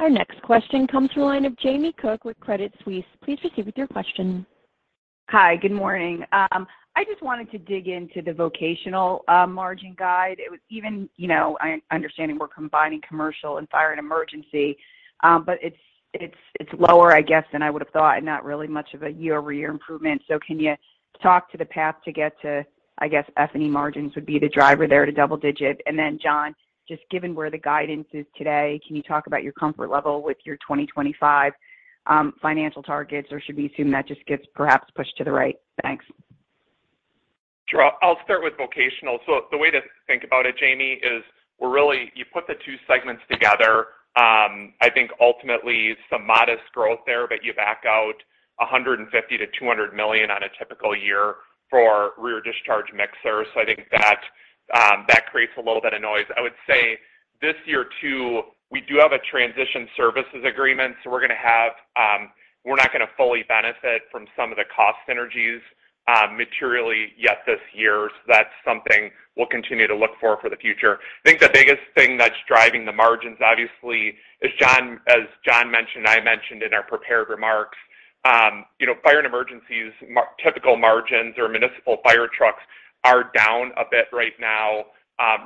Our next question comes from the line of Jamie Cook with Credit Suisse. Please proceed with your question. Hi. Good morning. I just wanted to dig into the Vocational margin guide. It was even, you know, understanding we're combining commercial and fire and emergency, but it's lower, I guess, than I would have thought and not really much of a year-over-year improvement. Can you talk to the path to get to, I guess F&E margins would be the driver there to double-digit? Then John, just given where the guidance is today can you talk about your comfort level with your 2025 financial targets? Or should we assume that just gets perhaps pushed to the right? Thanks. Sure. I'll start with Vocational. The way to think about it Jamie is you put the two segments together, I think ultimately some modest growth there, but you back out $150 million-$200 million on a typical year for rear discharge mixer. I think that creates a little bit of noise. I would say this year too we do have a transition services agreement we're gonna have, we're not gonna fully benefit from some of the cost synergies materially yet this year. That's something we'll continue to look for for the future. I think the biggest thing that's driving the margins, obviously as John mentioned, I mentioned in our prepared remarks, you know fire and emergencies typical margins or municipal fire trucks are down a bit right now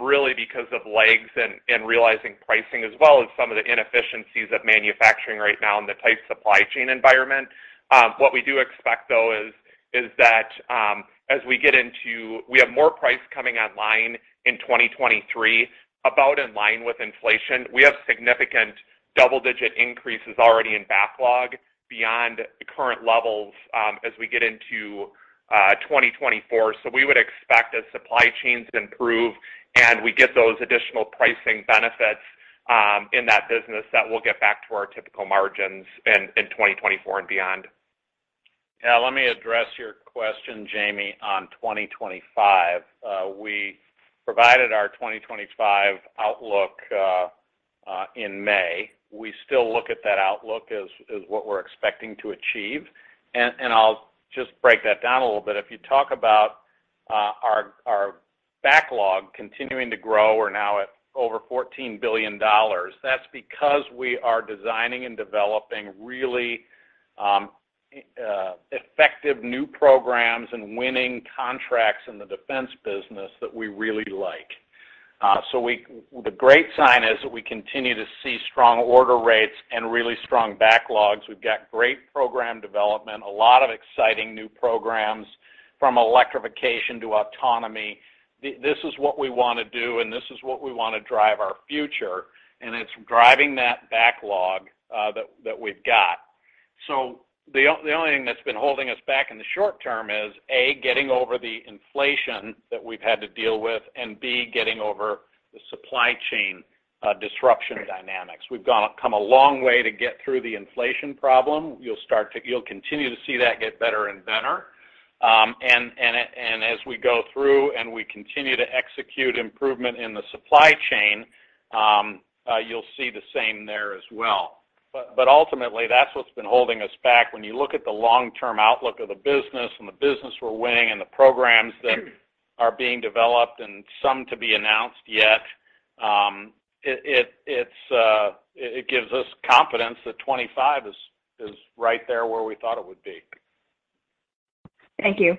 really because of lags and realizing pricing as well as some of the inefficiencies of manufacturing right now in the tight supply chain environment. What we do expect though is that as we get into. We have more price coming online in 2023, about in line with inflation. We have significant double-digit increases already in backlog beyond the current levels, as we get into 2024. We would expect as supply chains improve and we get those additional pricing benefits in that business, that we'll get back to our typical margins in 2024 and beyond. Yeah. Let me address your question Jamie on 2025. We provided our 2025 outlook in May. We still look at that outlook as what we're expecting to achieve. I'll just break that down a little bit if you talk about our backlog continuing to grow we're now at over $14 billion. That's because we are designing and developing really effective new programs and winning contracts in the Defense business that we really like. The great sign is that we continue to see strong order rates and really strong backlogs. We've got great program development, a lot of exciting new programs from electrification to autonomy. This is what we wanna do and this is what we wanna drive our future and it's driving that backlog that we've got. The only thing that's been holding us back in the short term is A, getting over the inflation that we've had to deal with and B, getting over the supply chain disruption dynamics. We've come a long way to get through the inflation problem. You'll continue to see that get better and better. As we go through and we continue to execute improvement in the supply chain you'll see the same there as well. Ultimately, that's what's been holding us back. When you look at the long-term outlook of the business and the business we're winning and the programs that are being developed and some to be announced yet, it's it gives us confidence that 2025 is right there where we thought it would be. Thank you.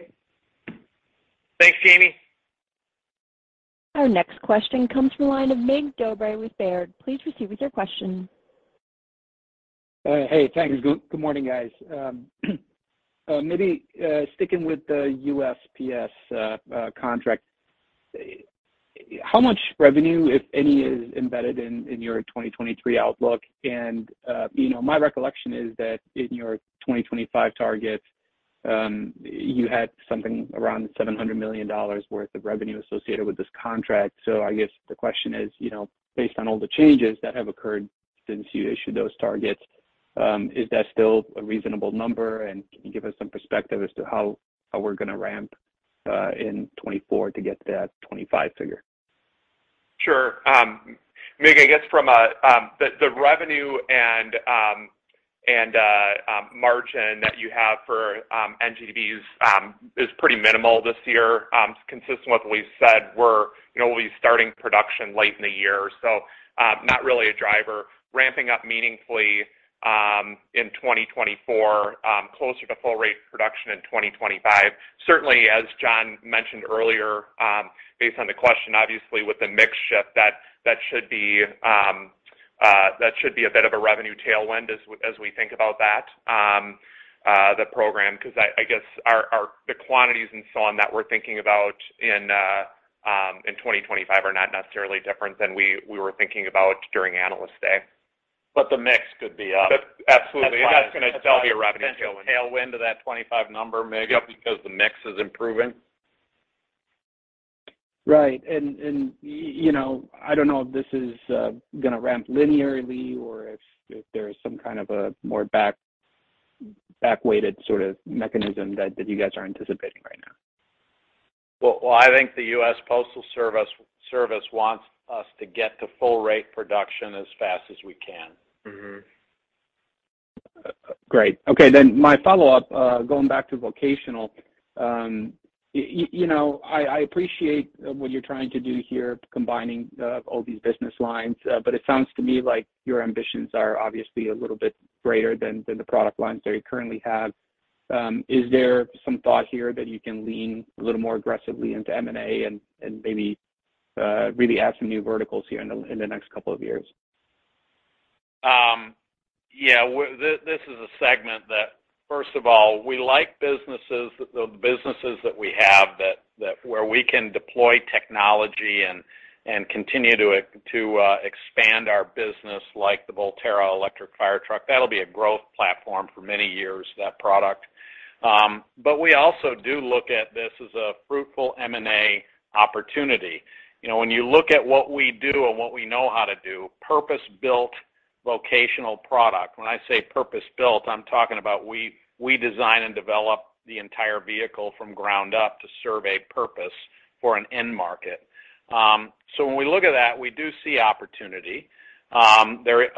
Thanks, Jamie. Our next question comes from the line of Mig Dobre with Baird. Please proceed with your question. Hey, thanks. Good morning, guys. Maybe sticking with the USPS contract, how much revenue if any is embedded in your 2023 outlook? You know, my recollection is that in your 2025 targets, you had something around $700 million worth of revenue associated with this contract. I guess the question is you know, based on all the changes that have occurred since you issued those targets is that still a reasonable number? Can you give us some perspective as to how we're gonna ramp in 2024 to get that 2025 figure? Sure. Maybe I guess from a the revenue and margin that you have for NGDVs is pretty minimal this year. It's consistent with what we've said we're, you know, we'll be starting production late in the year. Not really a driver ramping up meaningfully in 2024, closer to full rate production in 2025. Certainly, as John mentioned earlier based on the question, obviously with the mix shift that should be a bit of a revenue tailwind as we, as we think about that, the program, because I guess our. The quantities and so on that we're thinking about in 2025 are not necessarily different than we were thinking about during Analyst Day. The mix could be up. Absolutely. That's gonna still be a revenue tailwind. A potential tailwind to that 2025 number maybe- Yep because the mix is improving. Right. you know, I don't know if this is gonna ramp linearly or if there is some kind of a more back-weighted sort of mechanism that you guys are anticipating right now. Well, I think the US Postal Service wants us to get to full rate production as fast as we can. Mm-hmm. Great. Okay, my follow-up, going back to Vocational, you know, I appreciate what you're trying to do here, combining all these business lines. It sounds to me like your ambitions are obviously a little bit greater than the product lines that you currently have. Is there some thought here that you can lean a little more aggressively into M&A and maybe really add some new verticals here in the next couple of years? This is a segment that, first of all we like businesses, the businesses that we have that where we can deploy technology and continue to expand our business like the Volterra electric fire truck. That'll be a growth platform for many years that product. We also do look at this as a fruitful M&A opportunity. You know, when you look at what we do and what we know how to do purpose-built Vocational product. When I say purpose-built, I'm talking about we design and develop the entire vehicle from ground up to serve a purpose for an end market. When we look at that we do see opportunity. There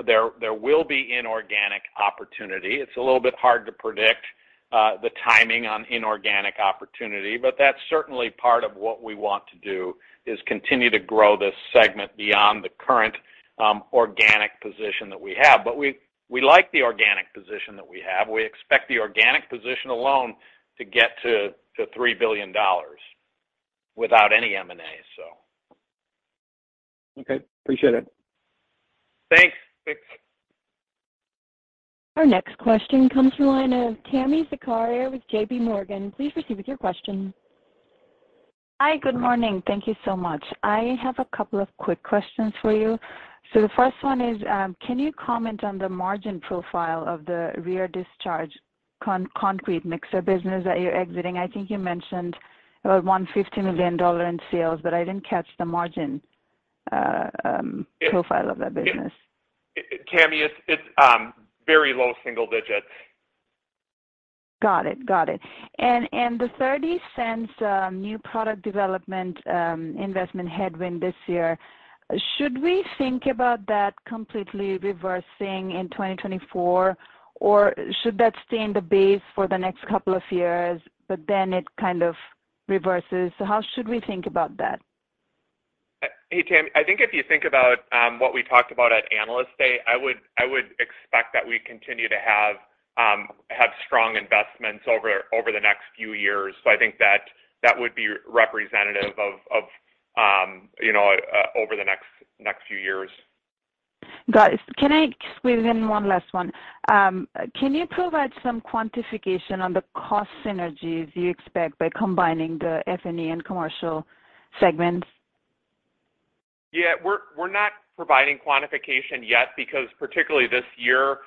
will be inorganic opportunity. It's a little bit hard to predict the timing on inorganic opportunity. That's certainly part of what we want to do, is continue to grow this segment beyond the current, organic position that we have. We like the organic position that we have. We expect the organic position alone to get to $3 billion without any M&A. Okay. Appreciate it. Thanks. Thanks. Our next question comes from the line of Tami Zakaria with JPMorgan. Please proceed with your question. Hi. Good morning. Thank you so much. I have a couple of quick questions for you. The first one is, can you comment on the margin profile of the rear discharge concrete mixer business that you're exiting? I think you mentioned $150 million in sales but I didn't catch the margin profile of that business. It, Tami, it's very low single digits. Got it. Got it. And the $0.30, new product development, investment headwind this year, should we think about that completely reversing in 2024? Or should that stay in the base for the next couple of years, but then it kind of reverses? How should we think about that? Hey, Tami. I think if you think about, what we talked about at Analyst Day, I would expect that we continue to have strong investments over the next few years. I think that that would be representative of you know over the next few years. Got it. Can I squeeze in one last one? Can you provide some quantification on the cost synergies you expect by combining the FNE and commercial segments? Yeah. We're not providing quantification yet because particularly this year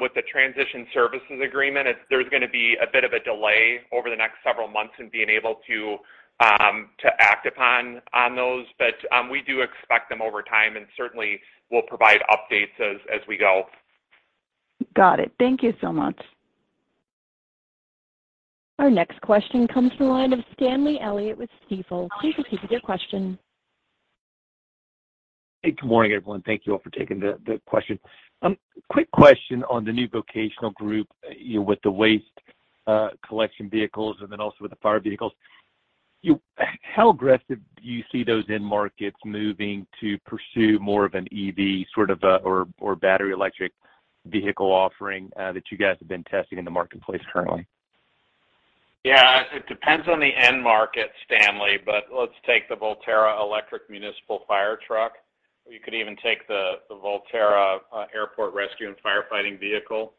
with the transition services agreement there's gonna be a bit of a delay over the next several months in being able to act upon those. We do expect them over time and certainly we'll provide updates as we go. Got it. Thank you so much. Our next question comes from the line of Stanley Elliott with Stifel. Please proceed with your question. Hey, good morning, everyone. Thank you all for taking the question. Quick question on the new Vocational group, you know with the waste collection vehicles and then also with the fire vehicles. How aggressive do you see those end markets moving to pursue more of an EV sort of or battery electric vehicle offering that you guys have been testing in the marketplace currently? Yeah. It depends on the end market, Stanley let's take the Volterra electric municipal fire truck. We could even take the Volterra airport rescue and firefighting vehicle.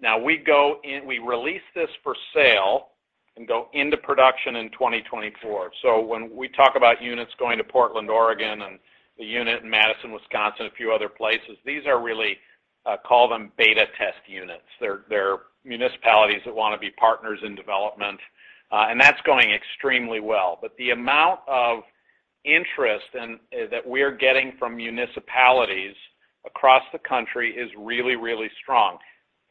Now we release this for sale and go into production in 2024. When we talk about units going to Portland, Oregon and the unit in Madison, Wisconsin, a few other places these are really call them beta test units. They're municipalities that wanna be partners in development, and that's going extremely well. The amount of interest that we're getting from municipalities across the country is really, really strong.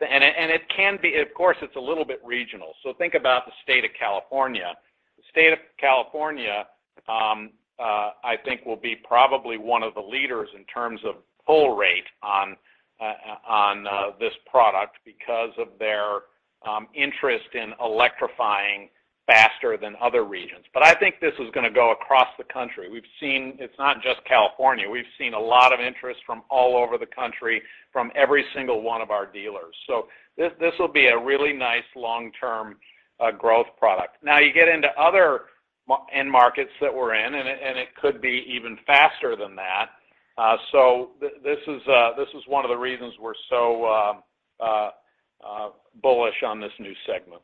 It can be. Of course, it's a little bit regional. Think about the state of California. The state of California, I think will be probably one of the leaders in terms of pull rate on this product because of their interest in electrifying faster than other regions. I think this is gonna go across the country. We've seen it's not just California. We've seen a lot of interest from all over the country from every single one of our dealers. This will be a really nice long-term growth product. You get into other end markets that we're in, and it could be even faster than that. This is one of the reasons we're so bullish on this new segment.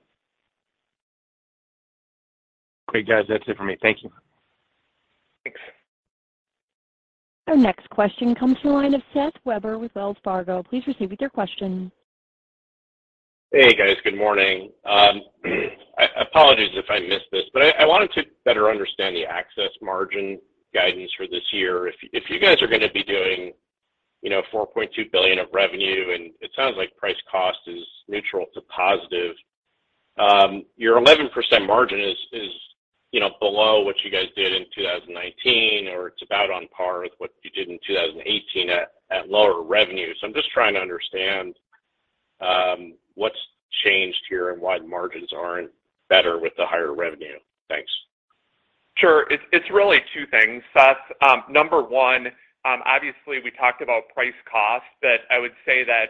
Great, guys. That's it for me. Thank you. Thanks. Our next question comes from the line of Seth Weber with Wells Fargo. Please proceed with your question. Hey, guys. Good morning. I apologize if I missed this I wanted to better understand the Access margin guidance for this year. If you guys are going to be doing you know $4.2 billion of revenue it sounds like price cost is neutral to positive, your 11% margin is, you know, below what you guys did in 2019 or it's about on par with what you did in 2018 at lower revenue. I'm just trying to understand what's changed here and why the margins aren't better with the higher revenue. Thanks. Sure, it's really two things, Seth. number one, obviously we talked about price cost but I would say that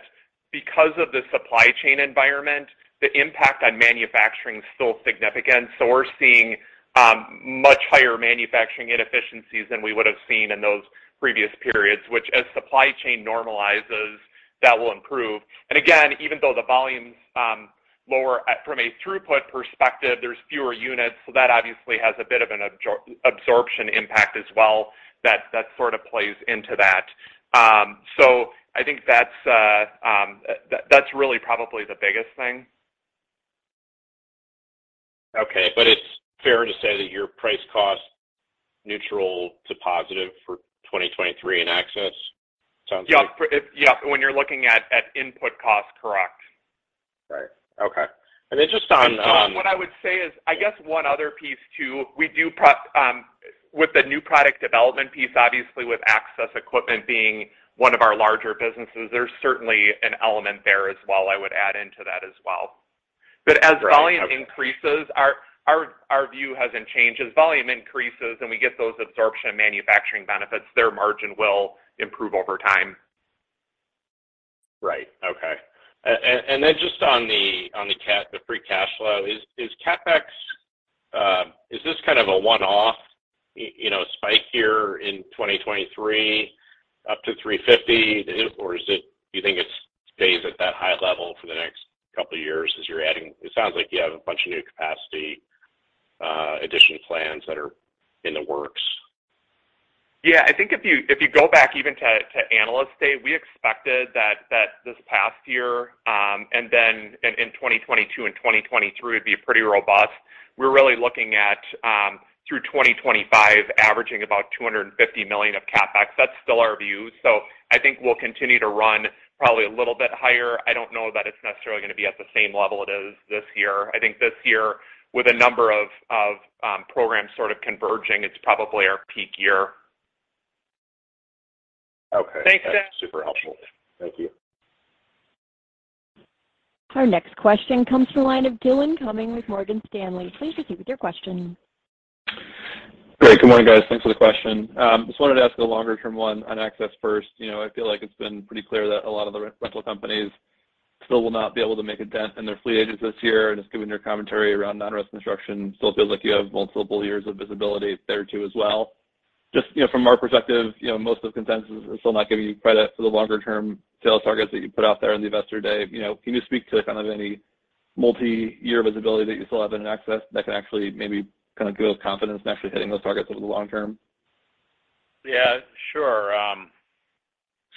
because of the supply chain environment the impact on manufacturing is still significant. We're seeing much higher manufacturing inefficiencies than we would have seen in those previous periods which as supply chain normalizes that will improve. Again, even though the volumes lower at from a throughput perspective there's fewer units. That obviously has a bit of an absorption impact as well that sort of plays into that. I think that's really probably the biggest thing. Okay. It's fair to say that your price cost neutral to positive for 2023 in Access, sounds like? Yeah. When you're looking at input cost correct. Right. Okay. Just on. What I would say is, I guess one other piece too, we do with the new product development piece, obviously with Access equipment being one of our larger businesses there's certainly an element there as well I would add into that as well. As volume increases, our view hasn't changed. As volume increases and we get those absorption manufacturing benefits, their margin will improve over time. Right okay just on the free cash flow is CapEx, is this kind of a one-off, you know, spike here in 2023 up to $350? Is it, you think it stays at that high level for the next couple of years as you're adding. It sounds like you have a bunch of new capacity, addition plans that are in the works. Yeah. I think if you go back even to Analyst Day, we expected that this past year and then in 2022 and 2023 would be pretty robust. We're really looking at through 2025 averaging about $250 million of CapEx. That's still our view I think we'll continue to run probably a little bit higher. I don't know that it's necessarily gonna be at the same level it is this year. I think this year, with a number of programs sort of converging it's probably our peak year. Okay. Thanks, Seth. That's super helpful. Thank you. Our next question comes from the line of Dillon Cumming with Morgan Stanley. Please proceed with your question. Great. Good morning, guys. Thanks for the question. Just wanted to ask a longer-term one on Access first. You know, I feel like it's been pretty clear that a lot of the re-rental companies still will not be able to make a dent in their fleet ages this year. Just given your commentary around non-resident construction still feels like you have multiple years of visibility there too as well. Just, you know from our perspective, you know most of the consensus is still not giving you credit for the longer-term sales targets that you put out there in the Investor Day. You know, can you speak to kind of any multiyear visibility that you still have in Access that can actually maybe give us confidence in actually hitting those targets over the long term? Yeah, sure.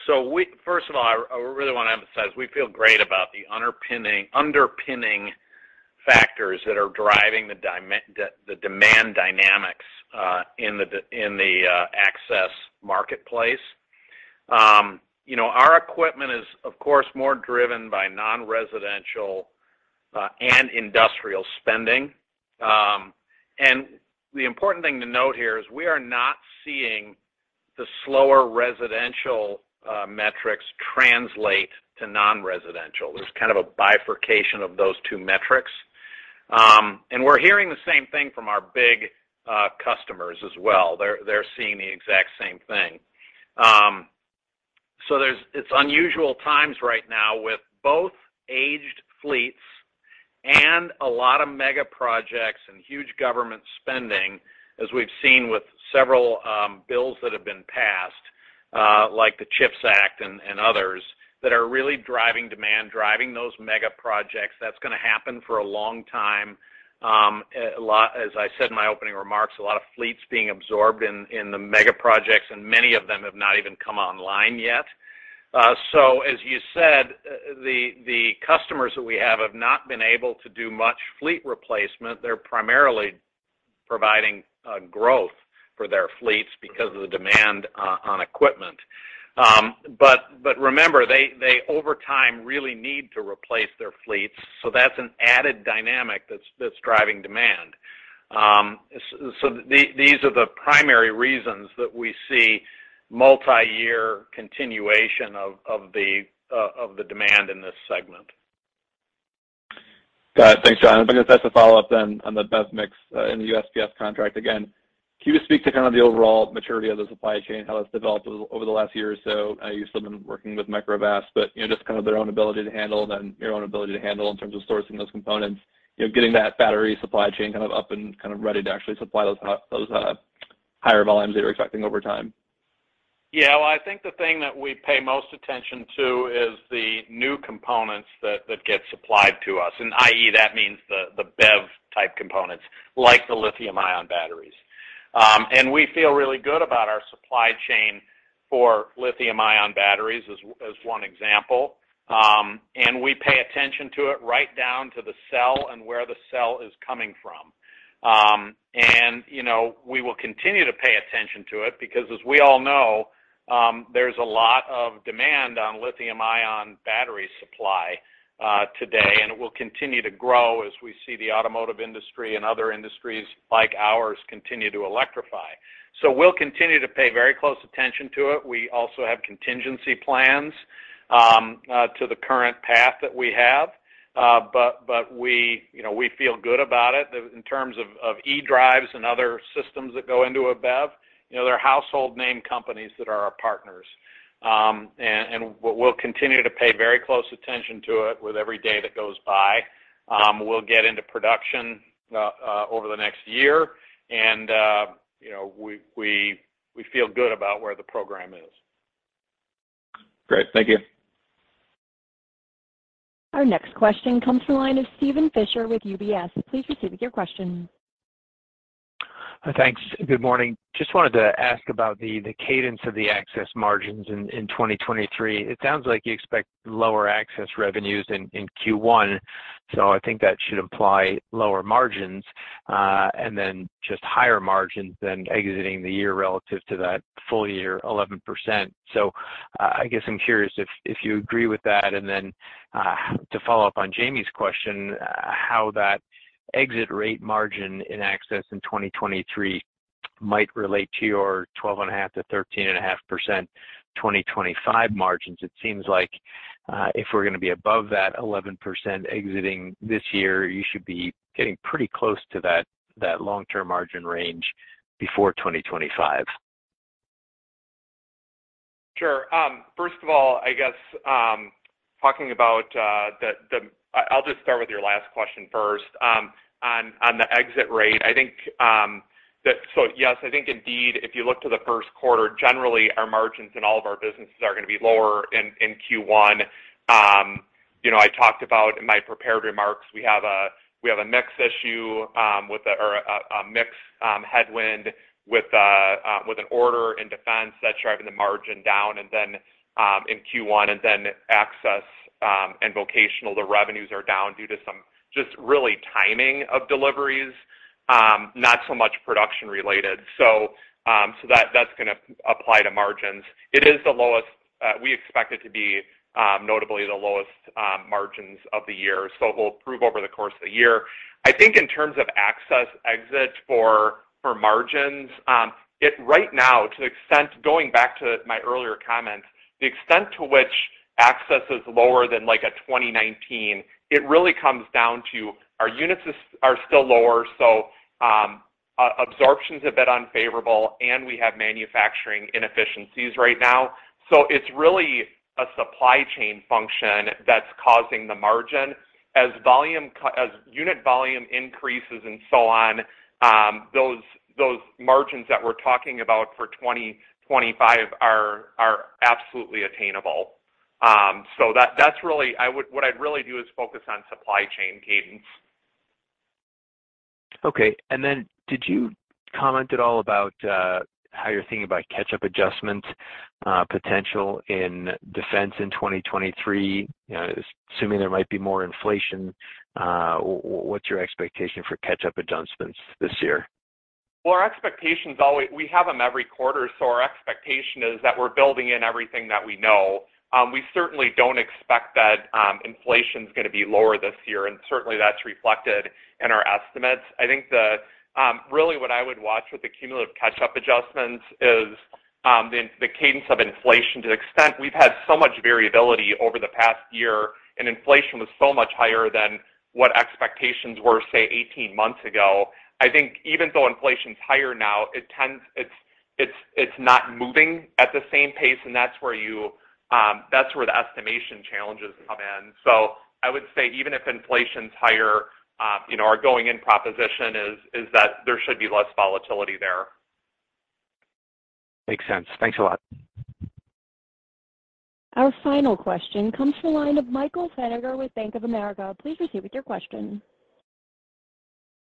First of all, I really wanna emphasize we feel great about the underpinning factors that are driving the demand dynamics in the Access marketplace. You know, our equipment is, of course more driven by non-residential and industrial spending. The important thing to note here is we are not seeing the slower residential metrics translate to non-residential. There's kind of a bifurcation of those two metrics. We're hearing the same thing from our big customers as well they're seeing the exact same thing. It's unusual times right now with both aged fleets and a lot of mega projects and huge government spending, as we've seen with several bills that have been passed, like the CHIPS Act and others that are really driving demand, driving those mega projects. That's gonna happen for a long time. As I said in my opening remarks a lot of fleets being absorbed in the mega projects and many of them have not even come online yet. As you said, the customers that we have have not been able to do much fleet replacement. They're primarily providing growth for their fleets because of the demand on equipment. Remember, they over time really need to replace their fleets that's an added dynamic that's driving demand. These are the primary reasons that we see multiyear continuation of the demand in this segment. Got it. Thanks, John. I guess just to follow up then on the BEV mix in the USPS contract again, can you just speak to kind of the overall maturity of the supply chain, how that's developed over the last year or so? You've still been working with Microvast but you know just kind of their own ability to handle then your own ability to handle in terms of sourcing those components you know getting that battery supply chain kind of up and kind of ready to actually supply those higher volumes that you're expecting over time. Well, I think the thing that we pay most attention to is the new components that get supplied to us, i.e. that means the BEV type components, like the lithium-ion batteries. And we feel really good about our supply chain for lithium-ion batteries as one example. And we pay attention to it right down to the cell and where the cell is coming from. And, you know, we will continue to pay attention to it because as we all know, there's a lot of demand on lithium-ion battery supply today and it will continue to grow as we see the automotive industry and other industries like ours continue to electrify. We'll continue to pay very close attention to it we also have contingency plans to the current path that we have. We, you know, we feel good about it. In terms of e-drives and other systems that go into a BEV, you know they're household name companies that are our partners. We'll continue to pay very close attention to it with every day that goes by. We'll get into production over the next year and you know we feel good about where the program is. Great. Thank you. Our next question comes from the line of Steven Fisher with UBS. Please proceed with your question. Thanks. Good morning. Just wanted to ask about the cadence of the Access margins in 2023. It sounds like you expect lower Access revenues in Q1. I think that should imply lower margins and then just higher margins than exiting the year relative to that full year 11%. I guess I'm curious if you agree with that. Then to follow up on Jamie's question, how that exit rate margin in Access in 2023 might relate to your 12.5%-13.5% 2025 margins. It seems like if we're gonna be above that 11% exiting this year you should be getting pretty close to that long-term margin range before 2025. Sure. First of all, I guess talking about, I'll just start with your last question first. On the exit rate I think yes I think indeed if you look to the first quarter generally our margins in all of our businesses are gonna be lower in Q1. You know, I talked about in my prepared remarks we have a we have a mix issue or a mix headwind with an order in Defense that's driving the margin down and then in Q1 and then Access and Vocational the revenues are down due to some just really timing of deliveries not so much production related. That's gonna apply to margins it is the lowest. We expect it to be notably the lowest margins of the year. It will improve over the course of the year. I think in terms of Access exit for margins it right now to the extent going back to my earlier comments the extent to which Access is lower than like a 2019, it really comes down to our units are still lower so absorption's a bit unfavorable, and we have manufacturing inefficiencies right now. It's really a supply chain function that's causing the margin. As volume as unit volume increases and so on those margins that we're talking about for 2025 are absolutely attainable. That's really what I'd really do is focus on supply chain cadence. Okay. Then did you comment at all about how you're thinking about catch-up adjustment potential in Defense in 2023? You know, assuming there might be more inflation, what's your expectation for catch-up adjustments this year? Our expectation's always. We have them every quarter, so our expectation is that we're building in everything that we know. We certainly don't expect that inflation's gonna be lower this year, and certainly that's reflected in our estimates. I think the really what I would watch with the cumulative catch-up adjustments is the cadence of inflation to the extent. We've had so much variability over the past year, and inflation was so much higher than what expectations were say 18 months ago. I think even though inflation's higher now it's not moving at the same pace and that's where you that's where the estimation challenges come in. I would say even if inflation's higher you know, our going in proposition is that there should be less volatility there. Makes sense. Thanks a lot. Our final question comes from the line of Michael Feniger with Bank of America. Please proceed with your question.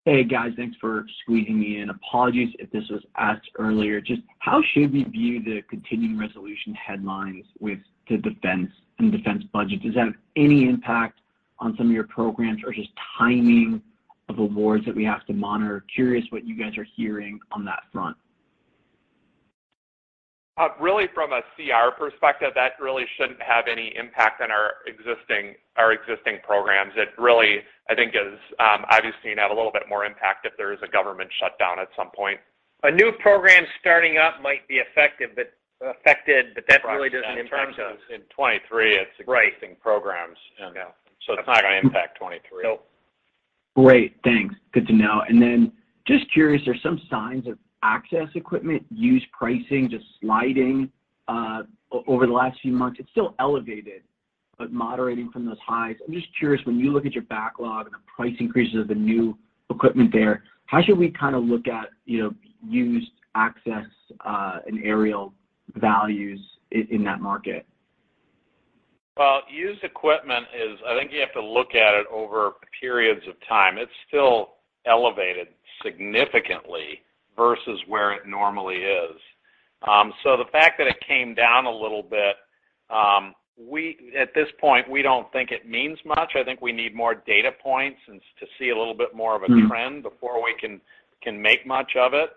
Hey guys, thanks for squeezing me in. Apologies if this was asked earlier just how should we view the Continuing Resolution headlines with the Defense and defense budget? Does that have any impact on some of your programs or just timing of awards that we have to monitor? Curious what you guys are hearing on that front. Really from a CR perspective, that really shouldn't have any impact on our existing programs. It really, I think is obviously gonna have a little bit more impact if there is a government shutdown at some point. A new program starting up might be affected, but that really doesn't impact us. In terms of in 2023 its existing programs. Right. Yeah. It's not going to impact 2023. Nope. Great thanks good to know. Just curious, there's some signs of Access equipment used pricing just sliding over the last few months. It's still elevated but moderating from those highs. I'm just curious, when you look at your backlog and the price increases of the new equipment there, how should we kinda look at you know used Access and aerial values in that market? Well, used equipment is. I think you have to look at it over periods of time. It's still elevated significantly versus where it normally is. So, the fact that it came down a little bit at this point, we don't think it means much. I think we need more data points to see a little bit more of a trend before we can make much of it.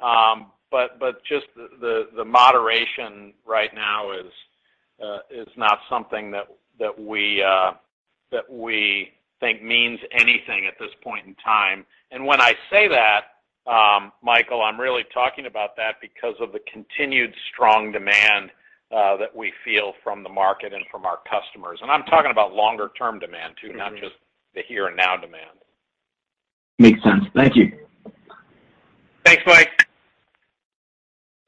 But just the moderation right now is not something that we think means anything at this point in time. When I say that Michael, I'm really talking about that because of the continued strong demand that we feel from the market and from our customers. I'm talking about longer term demand too not just the here and now demand. Makes sense. Thank you. Thanks, Mike.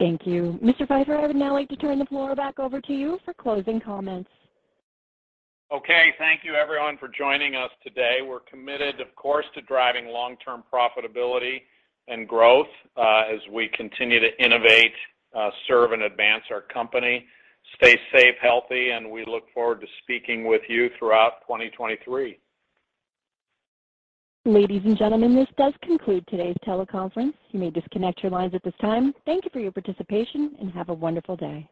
Thank you Mr. Pfeifer, I would now like to turn the floor back over to you for closing comments. Okay, thank you everyone for joining us today. We're committed of course to driving long-term profitability and growth as we continue to innovate serve and advance our company. Stay safe, healthy and we look forward to speaking with you throughout 2023. Ladies and gentlemen, this does conclude today's teleconference. You may disconnect your lines at this time. Thank you for your participation and have a wonderful day.